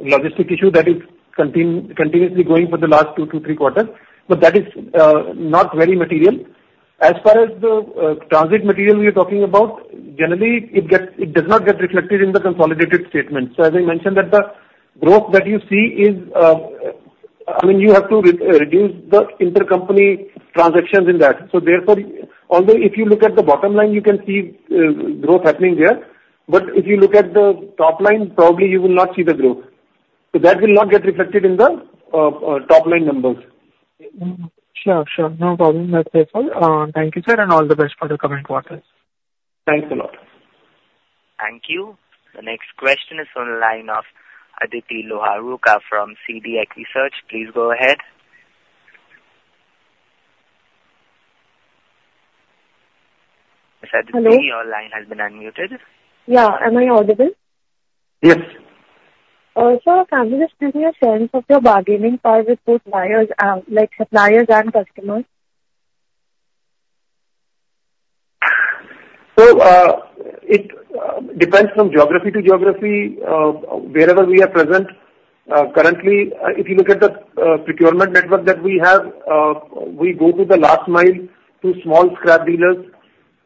logistic issue that is continuously going for the last two to three quarters, but that is not very material. As far as the transit material we are talking about, generally, it does not get reflected in the consolidated statement. So as I mentioned, that the growth that you see is, I mean, you have to reduce the intercompany transactions in that. So therefore, although if you look at the bottom line, you can see growth happening there, but if you look at the top line, probably you will not see the growth. So that will not get reflected in the top-line numbers. Sure. Sure. No problem. That's helpful. Thank you, sir, and all the best for your coming quarters. Thanks a lot. Thank you. The next question is on the line of Aditi Loharuka from CDI Research. Please go ahead. Aditi- Hello. Your line has been unmuted. Yeah. Am I audible? Yes. Sir, can you just give me a sense of your bargaining power with both buyers, like suppliers and customers? So, it depends from geography to geography, wherever we are present. Currently, if you look at the procurement network that we have, we go to the last mile to small scrap dealers,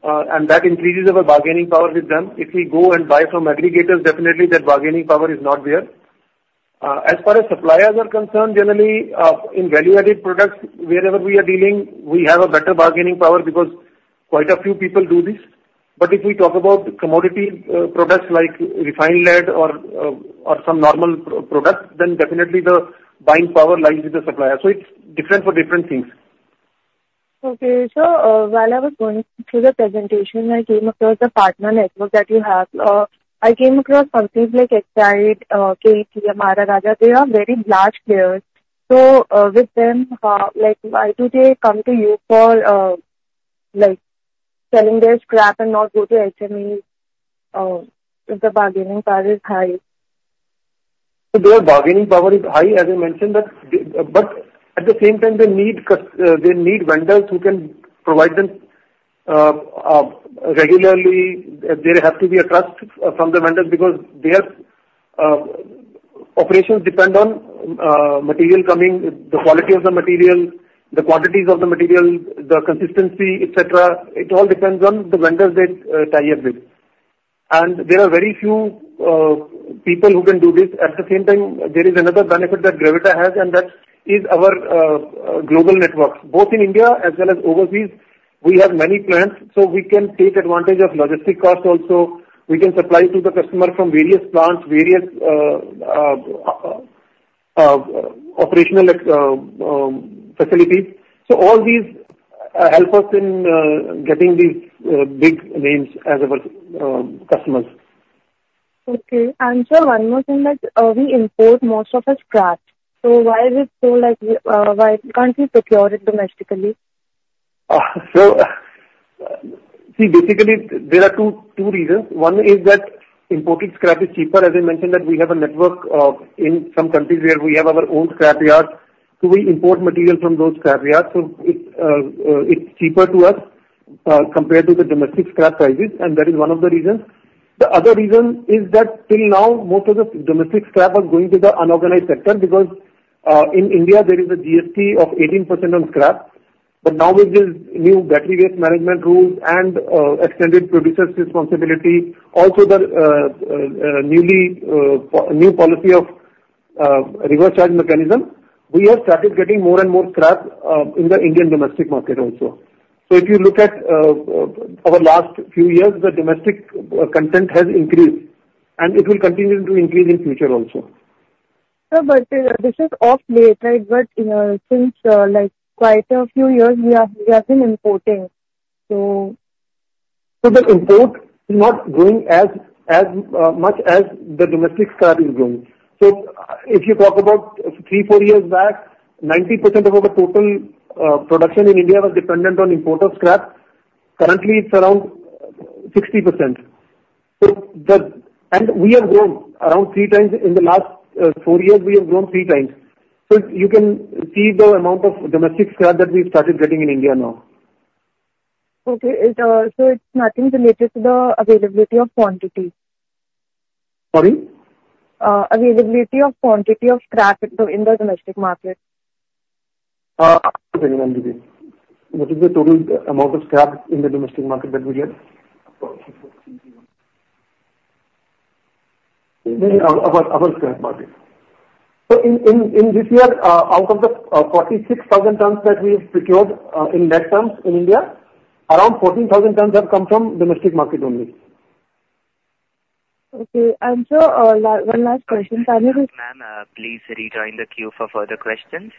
and that increases our bargaining power with them. If we go and buy from aggregators, definitely that bargaining power is not there. As far as suppliers are concerned, generally, in value-added products, wherever we are dealing, we have a better bargaining power because quite a few people do this. But if we talk about commodity products like refined lead or some normal products, then definitely the buying power lies with the supplier. So it's different for different things. Okay. So, while I was going through the presentation, I came across the partner network that you have. I came across companies like Exide, KPT, Amara Raja. They are very large players. So, with them, like, why do they come to you for, like, selling their scrap and not go to SME? If the bargaining power is high. So their bargaining power is high, as I mentioned, but but at the same time, they need vendors who can provide them regularly. There has to be a trust from the vendors because their operations depend on material coming, the quality of the material, the quantities of the material, the consistency, et cetera. It all depends on the vendors they tie up with. And there are very few people who can do this. At the same time, there is another benefit that Gravita has, and that is our global network. Both in India as well as overseas, we have many plants, so we can take advantage of logistic costs also. We can supply to the customer from various plants, various operational facilities. All these help us in getting these big names as our customers. Okay. And sir, one more thing, like, we import most of our scrap. So why is it so, like, why can't we procure it domestically? So, see, basically there are two reasons. One is that imported scrap is cheaper. As I mentioned, that we have a network in some countries where we have our own scrap yards, so we import material from those scrap yards. So it's cheaper to us compared to the domestic scrap prices, and that is one of the reasons. The other reason is that till now, most of the domestic scrap are going to the unorganized sector because in India, there is a GST of 18% on scrap. But now with this new Battery Waste Management Rules and extended producer's responsibility, also the new policy of reverse charge mechanism, we have started getting more and more scrap in the Indian domestic market also. So if you look at our last few years, the domestic content has increased, and it will continue to increase in future also. Sir, but this is of late, right? But since like quite a few years, we have been importing, so... So the import is not growing as much as the domestic scrap is growing. So if you talk about three, four years back, 90% of our total production in India was dependent on imported scrap. Currently, it's around 60%. And we have grown around three times. In the last four years, we have grown three times. So you can see the amount of domestic scrap that we've started getting in India now. Okay. It, So it's nothing related to the availability of quantity? Sorry? Availability of quantity of scrap in the domestic market. What is the total amount of scrap in the domestic market that we get? Approximately sixteen. ... You mean our scrap market. So in this year, out of the 46 thousand tons that we've procured, in lead terms in India, around 14 thousand tons have come from domestic market only. Okay. And sir, one last question, can you- Ma'am, please rejoin the queue for further questions.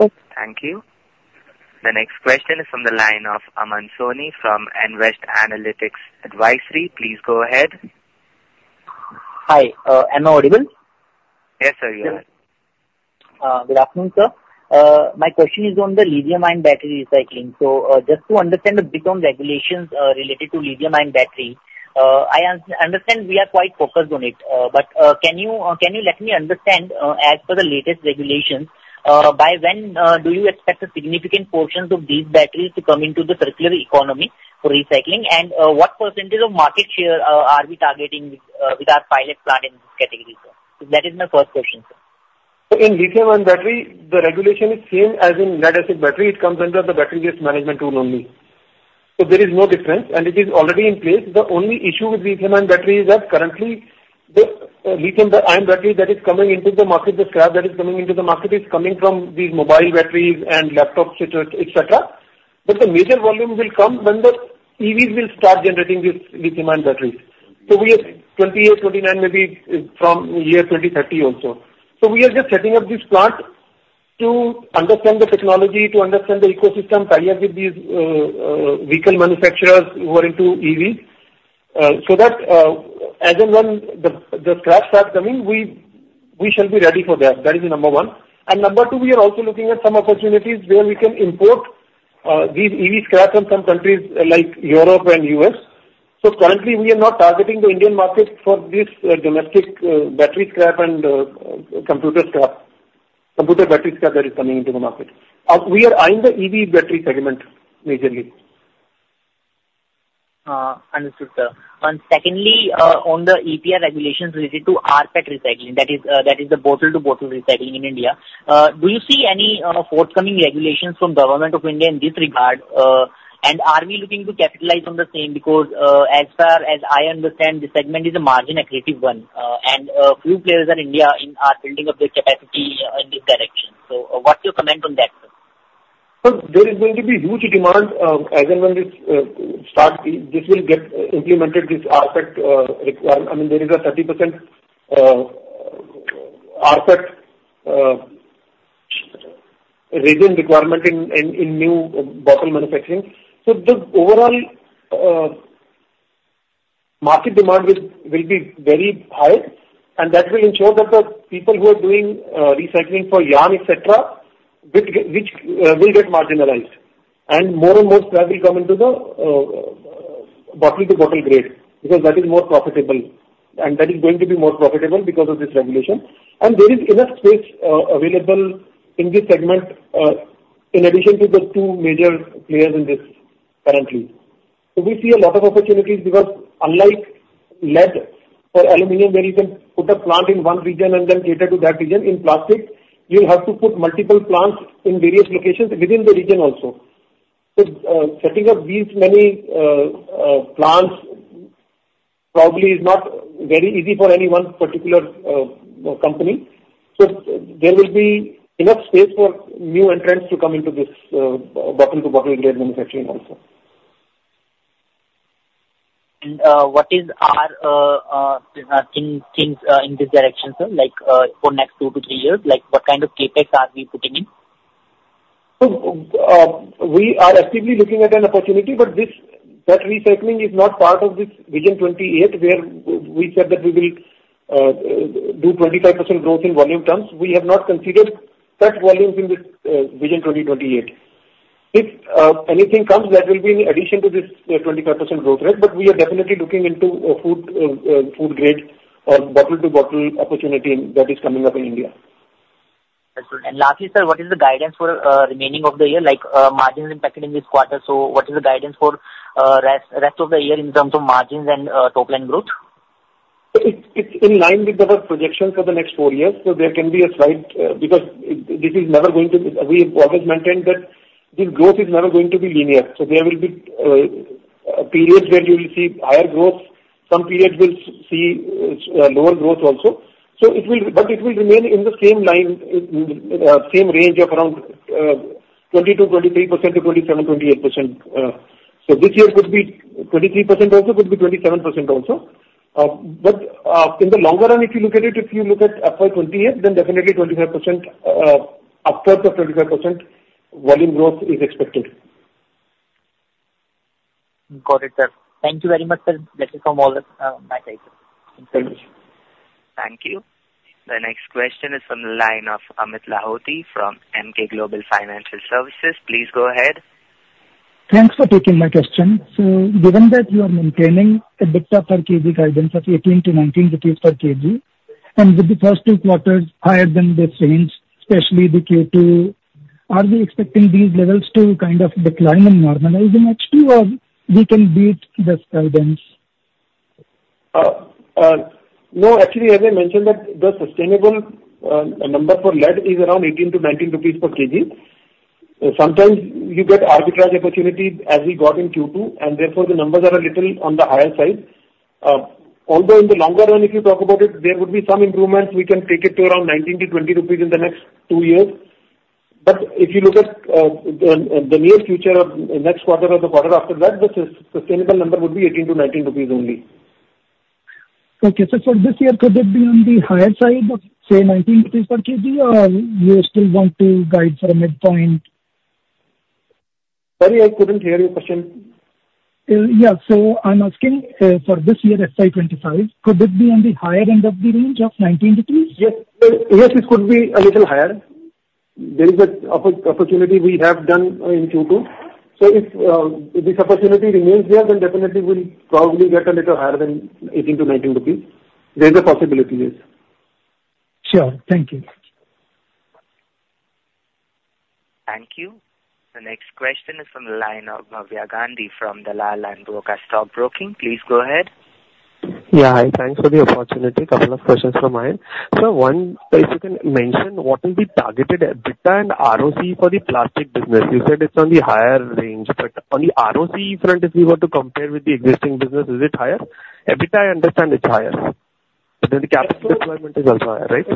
Okay. Thank you. The next question is from the line of Aman Soni from Invest Analytics Advisory. Please go ahead. Hi. Am I audible? Yes, sir, you are. Good afternoon, sir. My question is on the lithium-ion battery recycling. So, just to understand a bit on regulations related to lithium-ion battery, I understand we are quite focused on it, but can you let me understand, as per the latest regulations, by when do you expect a significant portions of these batteries to come into the circular economy for recycling? And, what percentage of market share are we targeting with our pilot plant in this category, sir? That is my first question, sir. So in lithium-ion battery, the regulation is same as in lead-acid battery. It comes under the Battery Waste Management Rule only. So there is no difference, and it is already in place. The only issue with lithium-ion battery is that currently the lithium-ion battery that is coming into the market, the scrap that is coming into the market, is coming from these mobile batteries and laptop, et cetera. But the major volume will come when the EVs will start generating these lithium-ion batteries. So we have 2029, maybe from year 2030 also. So we are just setting up this plant to understand the technology, to understand the ecosystem, tie up with these vehicle manufacturers who are into EVs, so that as and when the scrap starts coming, we shall be ready for that. That is number one. And number two, we are also looking at some opportunities where we can import these EV scrap from some countries like Europe and U.S. So currently, we are not targeting the Indian market for this domestic battery scrap and computer scrap, computer battery scrap that is coming into the market. We are eyeing the EV battery segment, majorly. Understood, sir. And secondly, on the EPR regulations related to rPET recycling, that is, the bottle-to-bottle recycling in India, do you see any forthcoming regulations from Government of India in this regard? And are we looking to capitalize on the same? Because, as far as I understand, this segment is a margin accretive one, and few players in India are building up their capacity in this direction. So what's your comment on that, sir? Sir, there is going to be huge demand, as and when this starts, this will get implemented, this rPET. I mean, there is a 30% rPET content requirement in new bottle manufacturing. So the overall market demand will be very high, and that will ensure that the people who are doing recycling for yarn, et cetera, which will get marginalized. And more and more scrap will come into the bottle-to-bottle grade, because that is more profitable, and that is going to be more profitable because of this regulation. And there is enough space available in this segment, in addition to the two major players in this currently. So we see a lot of opportunities because unlike lead or aluminum, where you can put a plant in one region and then cater to that region, in plastic, you'll have to put multiple plants in various locations within the region also. So, setting up these many plants probably is not very easy for any one particular company. So there will be enough space for new entrants to come into this bottle-to-bottle grade manufacturing also. What is our things in this direction, sir? Like, for next two to three years, like, what kind of CapEx are we putting in? We are actively looking at an opportunity, but this, that recycling is not part of this Vision 2028, where we said that we will do 25% growth in volume terms. We have not considered that volumes in this Vision 2028. If anything comes, that will be in addition to this 25% growth rate, but we are definitely looking into a food grade bottle-to-bottle opportunity that is coming up in India. That's good. And lastly, sir, what is the guidance for remaining of the year, like, margins impacted in this quarter? So what is the guidance for rest of the year in terms of margins and top line growth? It's in line with our projections for the next four years. So there can be a slight, because this is never going to be. We have always maintained that this growth is never going to be linear. So there will be periods where you will see higher growth, some periods will see lower growth also. So it will, but it will remain in the same line, same range of around 20-23% to 27-28%. So this year could be 23% also, could be 27% also. But in the longer run, if you look at it, if you look at FY 2028, then definitely 25%, upwards of 25% volume growth is expected. Got it, sir. Thank you very much, sir. Bless you from all, my side. Thank you. Thank you. The next question is from the line of Amit Lahoti from Emkay Global Financial Services. Please go ahead. Thanks for taking my question. So given that you are maintaining an EBITDA per kg guidance of 18-19 rupees per kg, and with the first two quarters higher than the trends, especially the Q2, are we expecting these levels to kind of decline and normalize in H2, or we can beat this guidance? No, actually, as I mentioned, that the sustainable number for lead is around 18-19 rupees per kg. Sometimes you get arbitrage opportunity as we got in Q2, and therefore, the numbers are a little on the higher side. Although in the longer run, if you talk about it, there would be some improvements. We can take it to around 19-20 rupees in the next two years. But if you look at the near future or next quarter or the quarter after that, the sustainable number would be 18-19 rupees only. Okay. So for this year, could it be on the higher side of, say, 19 rupees per kg, or you still want to guide for a midpoint? Sorry, I couldn't hear your question. Yeah. So I'm asking, for this year, FY 2025, could it be on the higher end of the range of 19? Yes. Yes, it could be a little higher. There is an opportunity we have done in Q2. So if this opportunity remains there, then definitely we'll probably get a little higher than 18-19 rupees. There is a possibility, yes. Sure. Thank you. Thank you. The next question is from the line of Bhavya Gandhi from Dalal & Broacha Stock Broking. Please go ahead. Yeah, hi. Thanks for the opportunity. A couple of questions from my end. So one, if you can mention, what will be targeted EBITDA and ROC for the plastic business? You said it's on the higher range, but on the ROC front, if you were to compare with the existing business, is it higher? EBITDA, I understand it's higher, but then the capital deployment is also higher, right?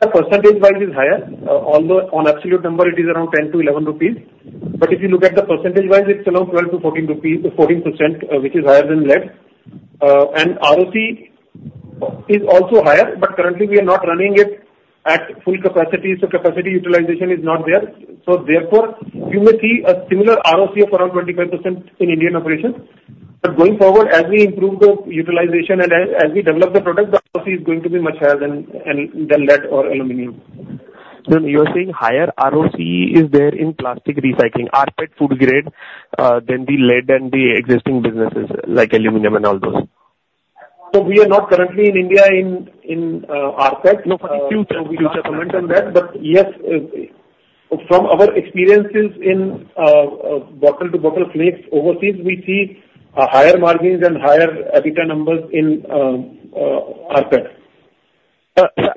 The percentage-wise is higher. Although on absolute number, it is around 10-11 rupees. But if you look at the percentage-wise, it's around 12-14 rupees or 14%, which is higher than lead. And ROC is also higher, but currently we are not running it at full capacity, so capacity utilization is not there. So therefore, you may see a similar ROC of around 25% in Indian operations. But going forward, as we improve the utilization and as we develop the product, the ROC is going to be much higher than lead or aluminum. So you are saying higher ROC is there in plastic recycling, rPET food grade, than the lead and the existing businesses, like aluminum and all those? So we are not currently in India in rPET. No, for the future. We can't comment on that. But yes, from our experiences in, bottle-to-bottle flakes overseas, we see, higher margins and higher EBITDA numbers in, rPET. Sir,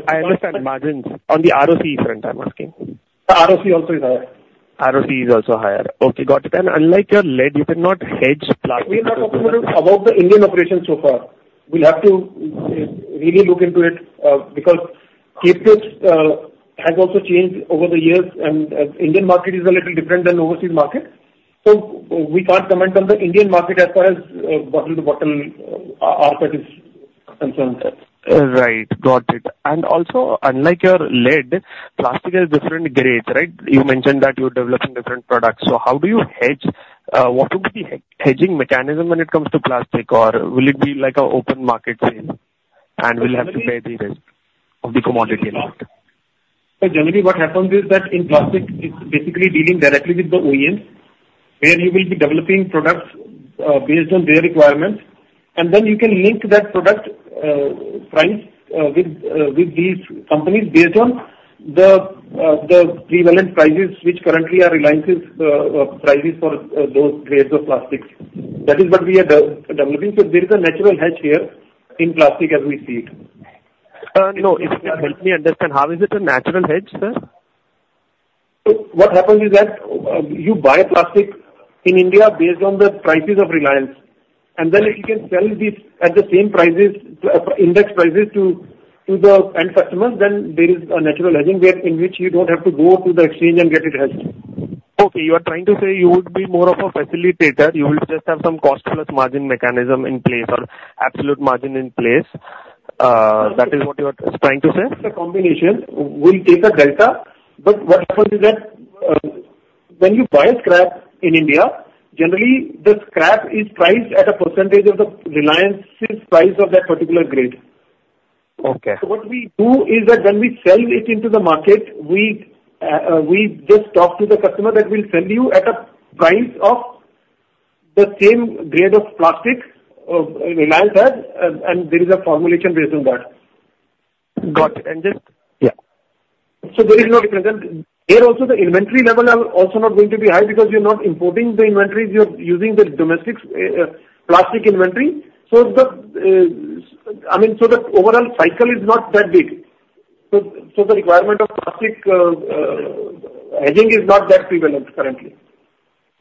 I understand margins. On the ROC front, I'm asking. ROC also is higher. ROC is also higher. Okay, got it. And unlike your lead, you cannot hedge plastic? We are not comfortable about the Indian operations so far. We'll have to really look into it because CapEx has also changed over the years, and Indian market is a little different than overseas market. So we can't comment on the Indian market as far as bottle-to-bottle rPET is concerned, sir. Right. Got it. And also, unlike your lead, plastic has different grades, right? You mentioned that you're developing different products. So how do you hedge? What would be the hedging mechanism when it comes to plastic, or will it be like a open market sale- Generally- and we'll have to bear the risk of the commodity a lot? So generally, what happens is that in plastic, it's basically dealing directly with the OEMs, where you will be developing products based on their requirements. And then you can link that product price with these companies based on the prevalent prices, which currently are Reliance's prices for those grades of plastics. That is what we are developing. So there is a natural hedge here in plastic as we see it. No, if you can help me understand, how is it a natural hedge, sir? So what happens is that you buy plastic in India based on the prices of Reliance, and then you can sell this at the same prices, index prices to the end customers. Then there is a natural hedging in which you don't have to go to the exchange and get it hedged. Okay, you are trying to say you would be more of a facilitator. You will just have some cost plus margin mechanism in place or absolute margin in place. That is what you are trying to say? It's a combination. We'll take a delta, but what happens is that, when you buy scrap in India, generally the scrap is priced at a percentage of the Reliance's price of that particular grade. Okay. So what we do is that when we sell it into the market, we just talk to the customer that we'll sell you at a price of the same grade of plastic Reliance has, and there is a formulation based on that. Got it, and then, yeah. So there is no difference. Here also, the inventory level are also not going to be high because you're not importing the inventories, you're using the domestic plastic inventory. So the, I mean, so the overall cycle is not that big. So the requirement of plastic hedging is not that prevalent currently.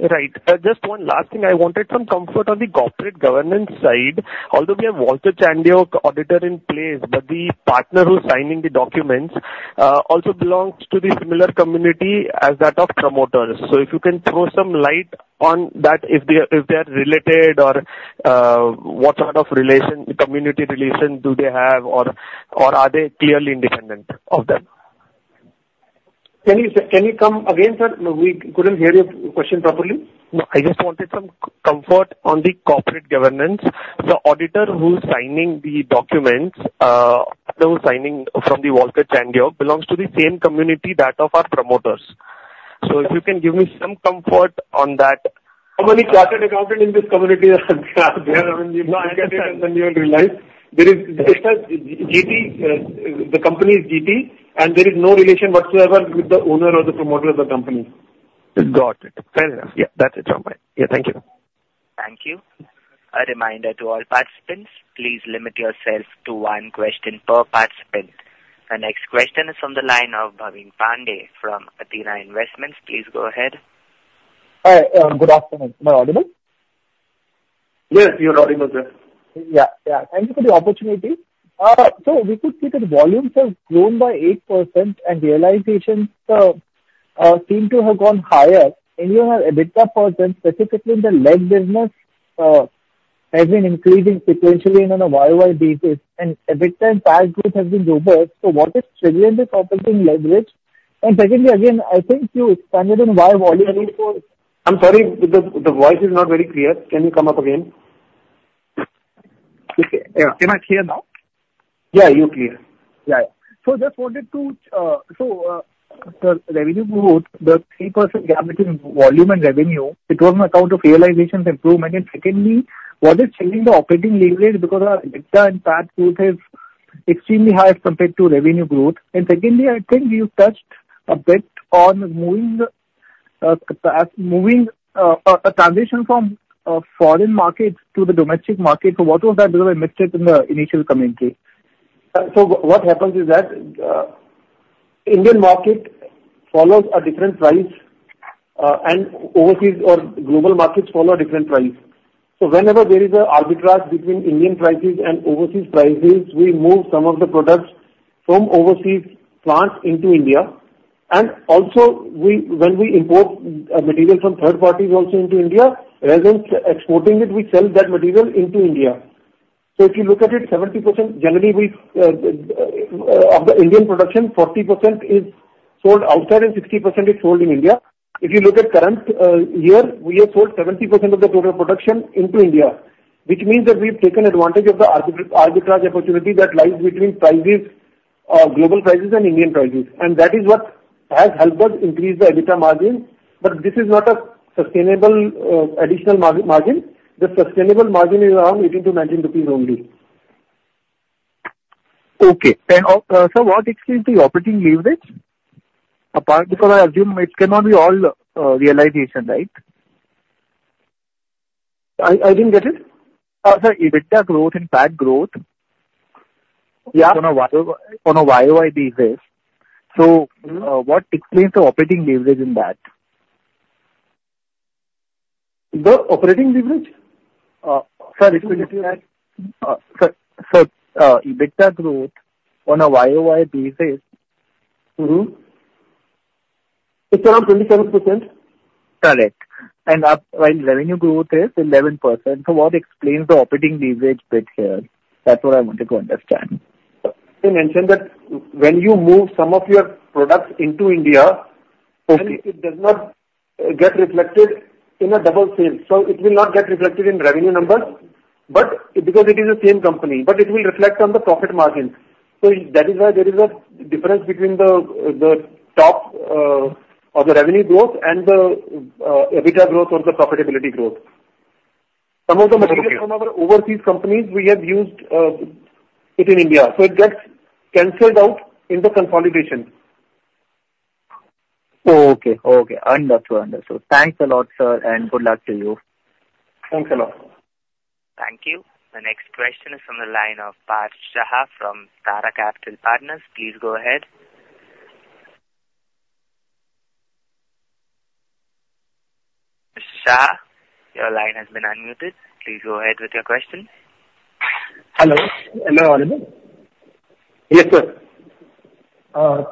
Right. Just one last thing. I wanted some comfort on the corporate governance side. Although we have Walker Chandiok auditor in place, but the partner who's signing the documents also belongs to the similar community as that of promoters. So if you can throw some light on that, if they are related or what sort of relation, community relation do they have, or are they clearly independent of them? Can you come again, sir? We couldn't hear your question properly. No, I just wanted some comfort on the corporate governance. The auditor who's signing the documents, who's signing from the Walker Chandiok, belongs to the same community that of our promoters. So if you can give me some comfort on that. How many chartered accountant in this community are there? I mean, you might get it, and then you will realize there is just a GT, the company is GT, and there is no relation whatsoever with the owner or the promoter of the company. Got it. Fair enough. Yeah, that's it from my... Yeah, thank you.... Thank you. A reminder to all participants, please limit yourself to one question per participant. The next question is from the line of Bhavin Pandey from Athena Investments. Please go ahead. Hi, good afternoon. Am I audible? Yes, you are audible, sir. Yeah, yeah. Thank you for the opportunity. So we could see that volumes have grown by 8%, and realizations seem to have gone higher, and you have a percent, specifically in the lead business, has been increasing sequentially on a YOY basis, and EBITDA group has been robust. So what is triggering the operating leverage? And secondly, again, I think you expanded on why volume- I'm sorry, the voice is not very clear. Can you come up again? Okay. Yeah. Am I clear now? Yeah, you're clear. Yeah. So just wanted to. So, the revenue growth, the 3% gap between volume and revenue, it was on account of realizations improvement. And secondly, what is changing the operating leverage? Because our EBITDA in past growth is extremely high compared to revenue growth. And secondly, I think you touched a bit on moving a transition from foreign markets to the domestic market. So what was that? Because I missed it in the initial commentary. So what happens is that Indian market follows a different price, and overseas or global markets follow a different price. So whenever there is a arbitrage between Indian prices and overseas prices, we move some of the products from overseas plants into India. And also when we import material from third parties also into India, rather than exporting it, we sell that material into India. So if you look at it, 70%, generally, of the Indian production, 40% is sold outside and 60% is sold in India. If you look at current year, we have sold 70% of the total production into India, which means that we've taken advantage of the arbitrage opportunity that lies between prices, global prices and Indian prices. And that is what has helped us increase the EBITDA margin. But this is not a sustainable additional margin. The sustainable margin is around 18-19 rupees only. Okay. And, sir, what explains the operating leverage apart? Because I assume it cannot be all realization, right? I didn't get it. Sir, EBITDA growth and PAT growth- Yeah. on a YOY basis. So, what explains the operating leverage in that? The operating leverage? EBITDA growth on a YOY basis. Mm-hmm. It's around 27%. Correct. And up, while revenue growth is 11%. So what explains the operating leverage bit here? That's what I wanted to understand. I mentioned that when you move some of your products into India- Okay. It does not get reflected in a double sales. So it will not get reflected in revenue numbers, but because it is the same company, but it will reflect on the profit margins. So that is why there is a difference between the, the top, of the revenue growth and the, EBITDA growth or the profitability growth. Some of the materials from our overseas companies, we have used it in India, so it gets canceled out in the consolidation. Okay, understood. Thanks a lot, sir, and good luck to you. Thanks a lot. Thank you. The next question is from the line of Parth Shah from Tara Capital Partners. Please go ahead. Mr. Shah, your line has been unmuted. Please go ahead with your question. Hello, am I audible? Yes, sir.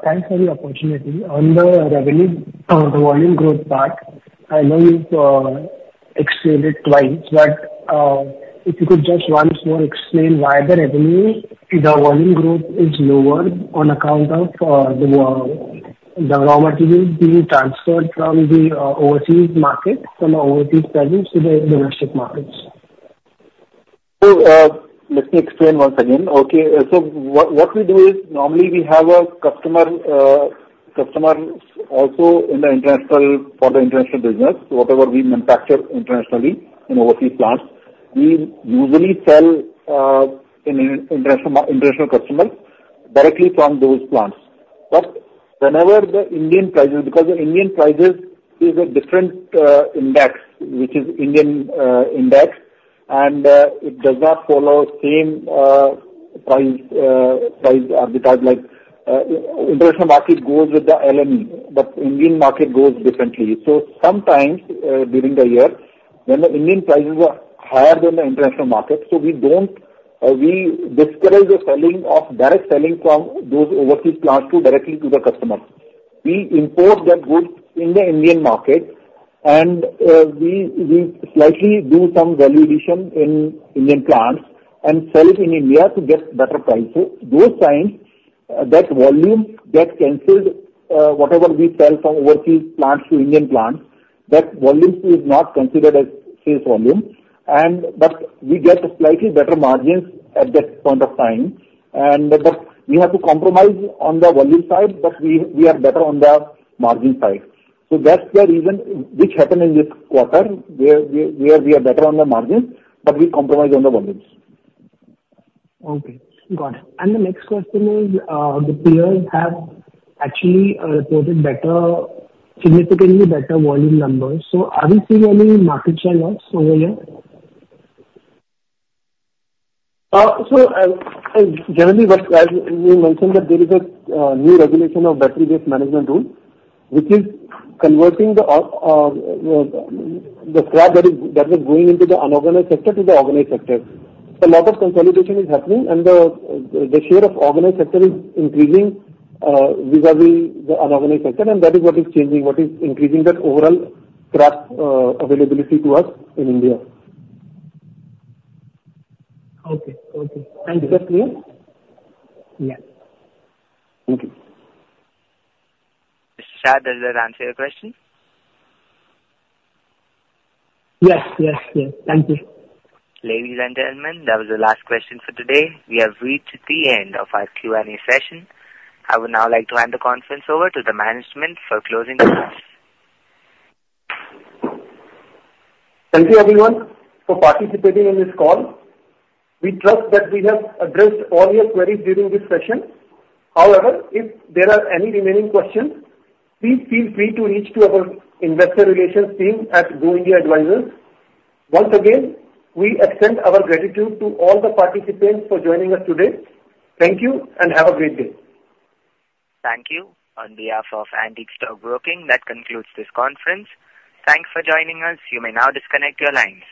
Thanks for the opportunity. On the revenue, the volume growth part, I know you've explained it twice, but if you could just once more explain why the revenue, the volume growth is lower on account of the raw material being transferred from the overseas market, from the overseas countries to the domestic markets? Let me explain once again. What we do is normally we have a customer also in the international business. Whatever we manufacture internationally in overseas plants, we usually sell to international customers directly from those plants. But whenever the Indian prices, because the Indian prices is a different index, which is Indian index, and it does not follow same price because, like, international market goes with the LME, but Indian market goes differently. Sometimes during the year, when the Indian prices are higher than the international market, we discourage the direct selling from those overseas plants directly to the customers. We import the goods in the Indian market, and we slightly do some value addition in Indian plants and sell it in India to get better prices. Those times, that volume gets canceled, whatever we sell from overseas plants to Indian plants, that volume is not considered as sales volume, and but we get slightly better margins at that point of time. And but we have to compromise on the volume side, but we are better on the margin side. So that's the reason which happened in this quarter, where we are better on the margin, but we compromise on the volumes. Okay, got it. And the next question is, the peers have actually, reported better, significantly better volume numbers. So are we seeing any market share loss over here? Generally, as we mentioned, there is a new regulation of battery waste management rule, which is converting the scrap that was going into the unorganized sector to the organized sector. A lot of consolidation is happening, and the share of organized sector is increasing vis-à-vis the unorganized sector, and that is what is changing, what is increasing the overall scrap availability to us in India. Okay. Okay. Thank you. Is that clear? Yeah. Thank you. Mr. Shah, does that answer your question? Yes, yes, yes. Thank you. Ladies and gentlemen, that was the last question for today. We have reached the end of our Q&A session. I would now like to hand the conference over to the management for closing remarks. Thank you, everyone, for participating in this call. We trust that we have addressed all your queries during this session. However, if there are any remaining questions, please feel free to reach to our investor relations team at Go India Advisors. Once again, we extend our gratitude to all the participants for joining us today. Thank you, and have a great day. Thank you. On behalf of Antique Stock Broking, that concludes this conference. Thanks for joining us. You may now disconnect your lines.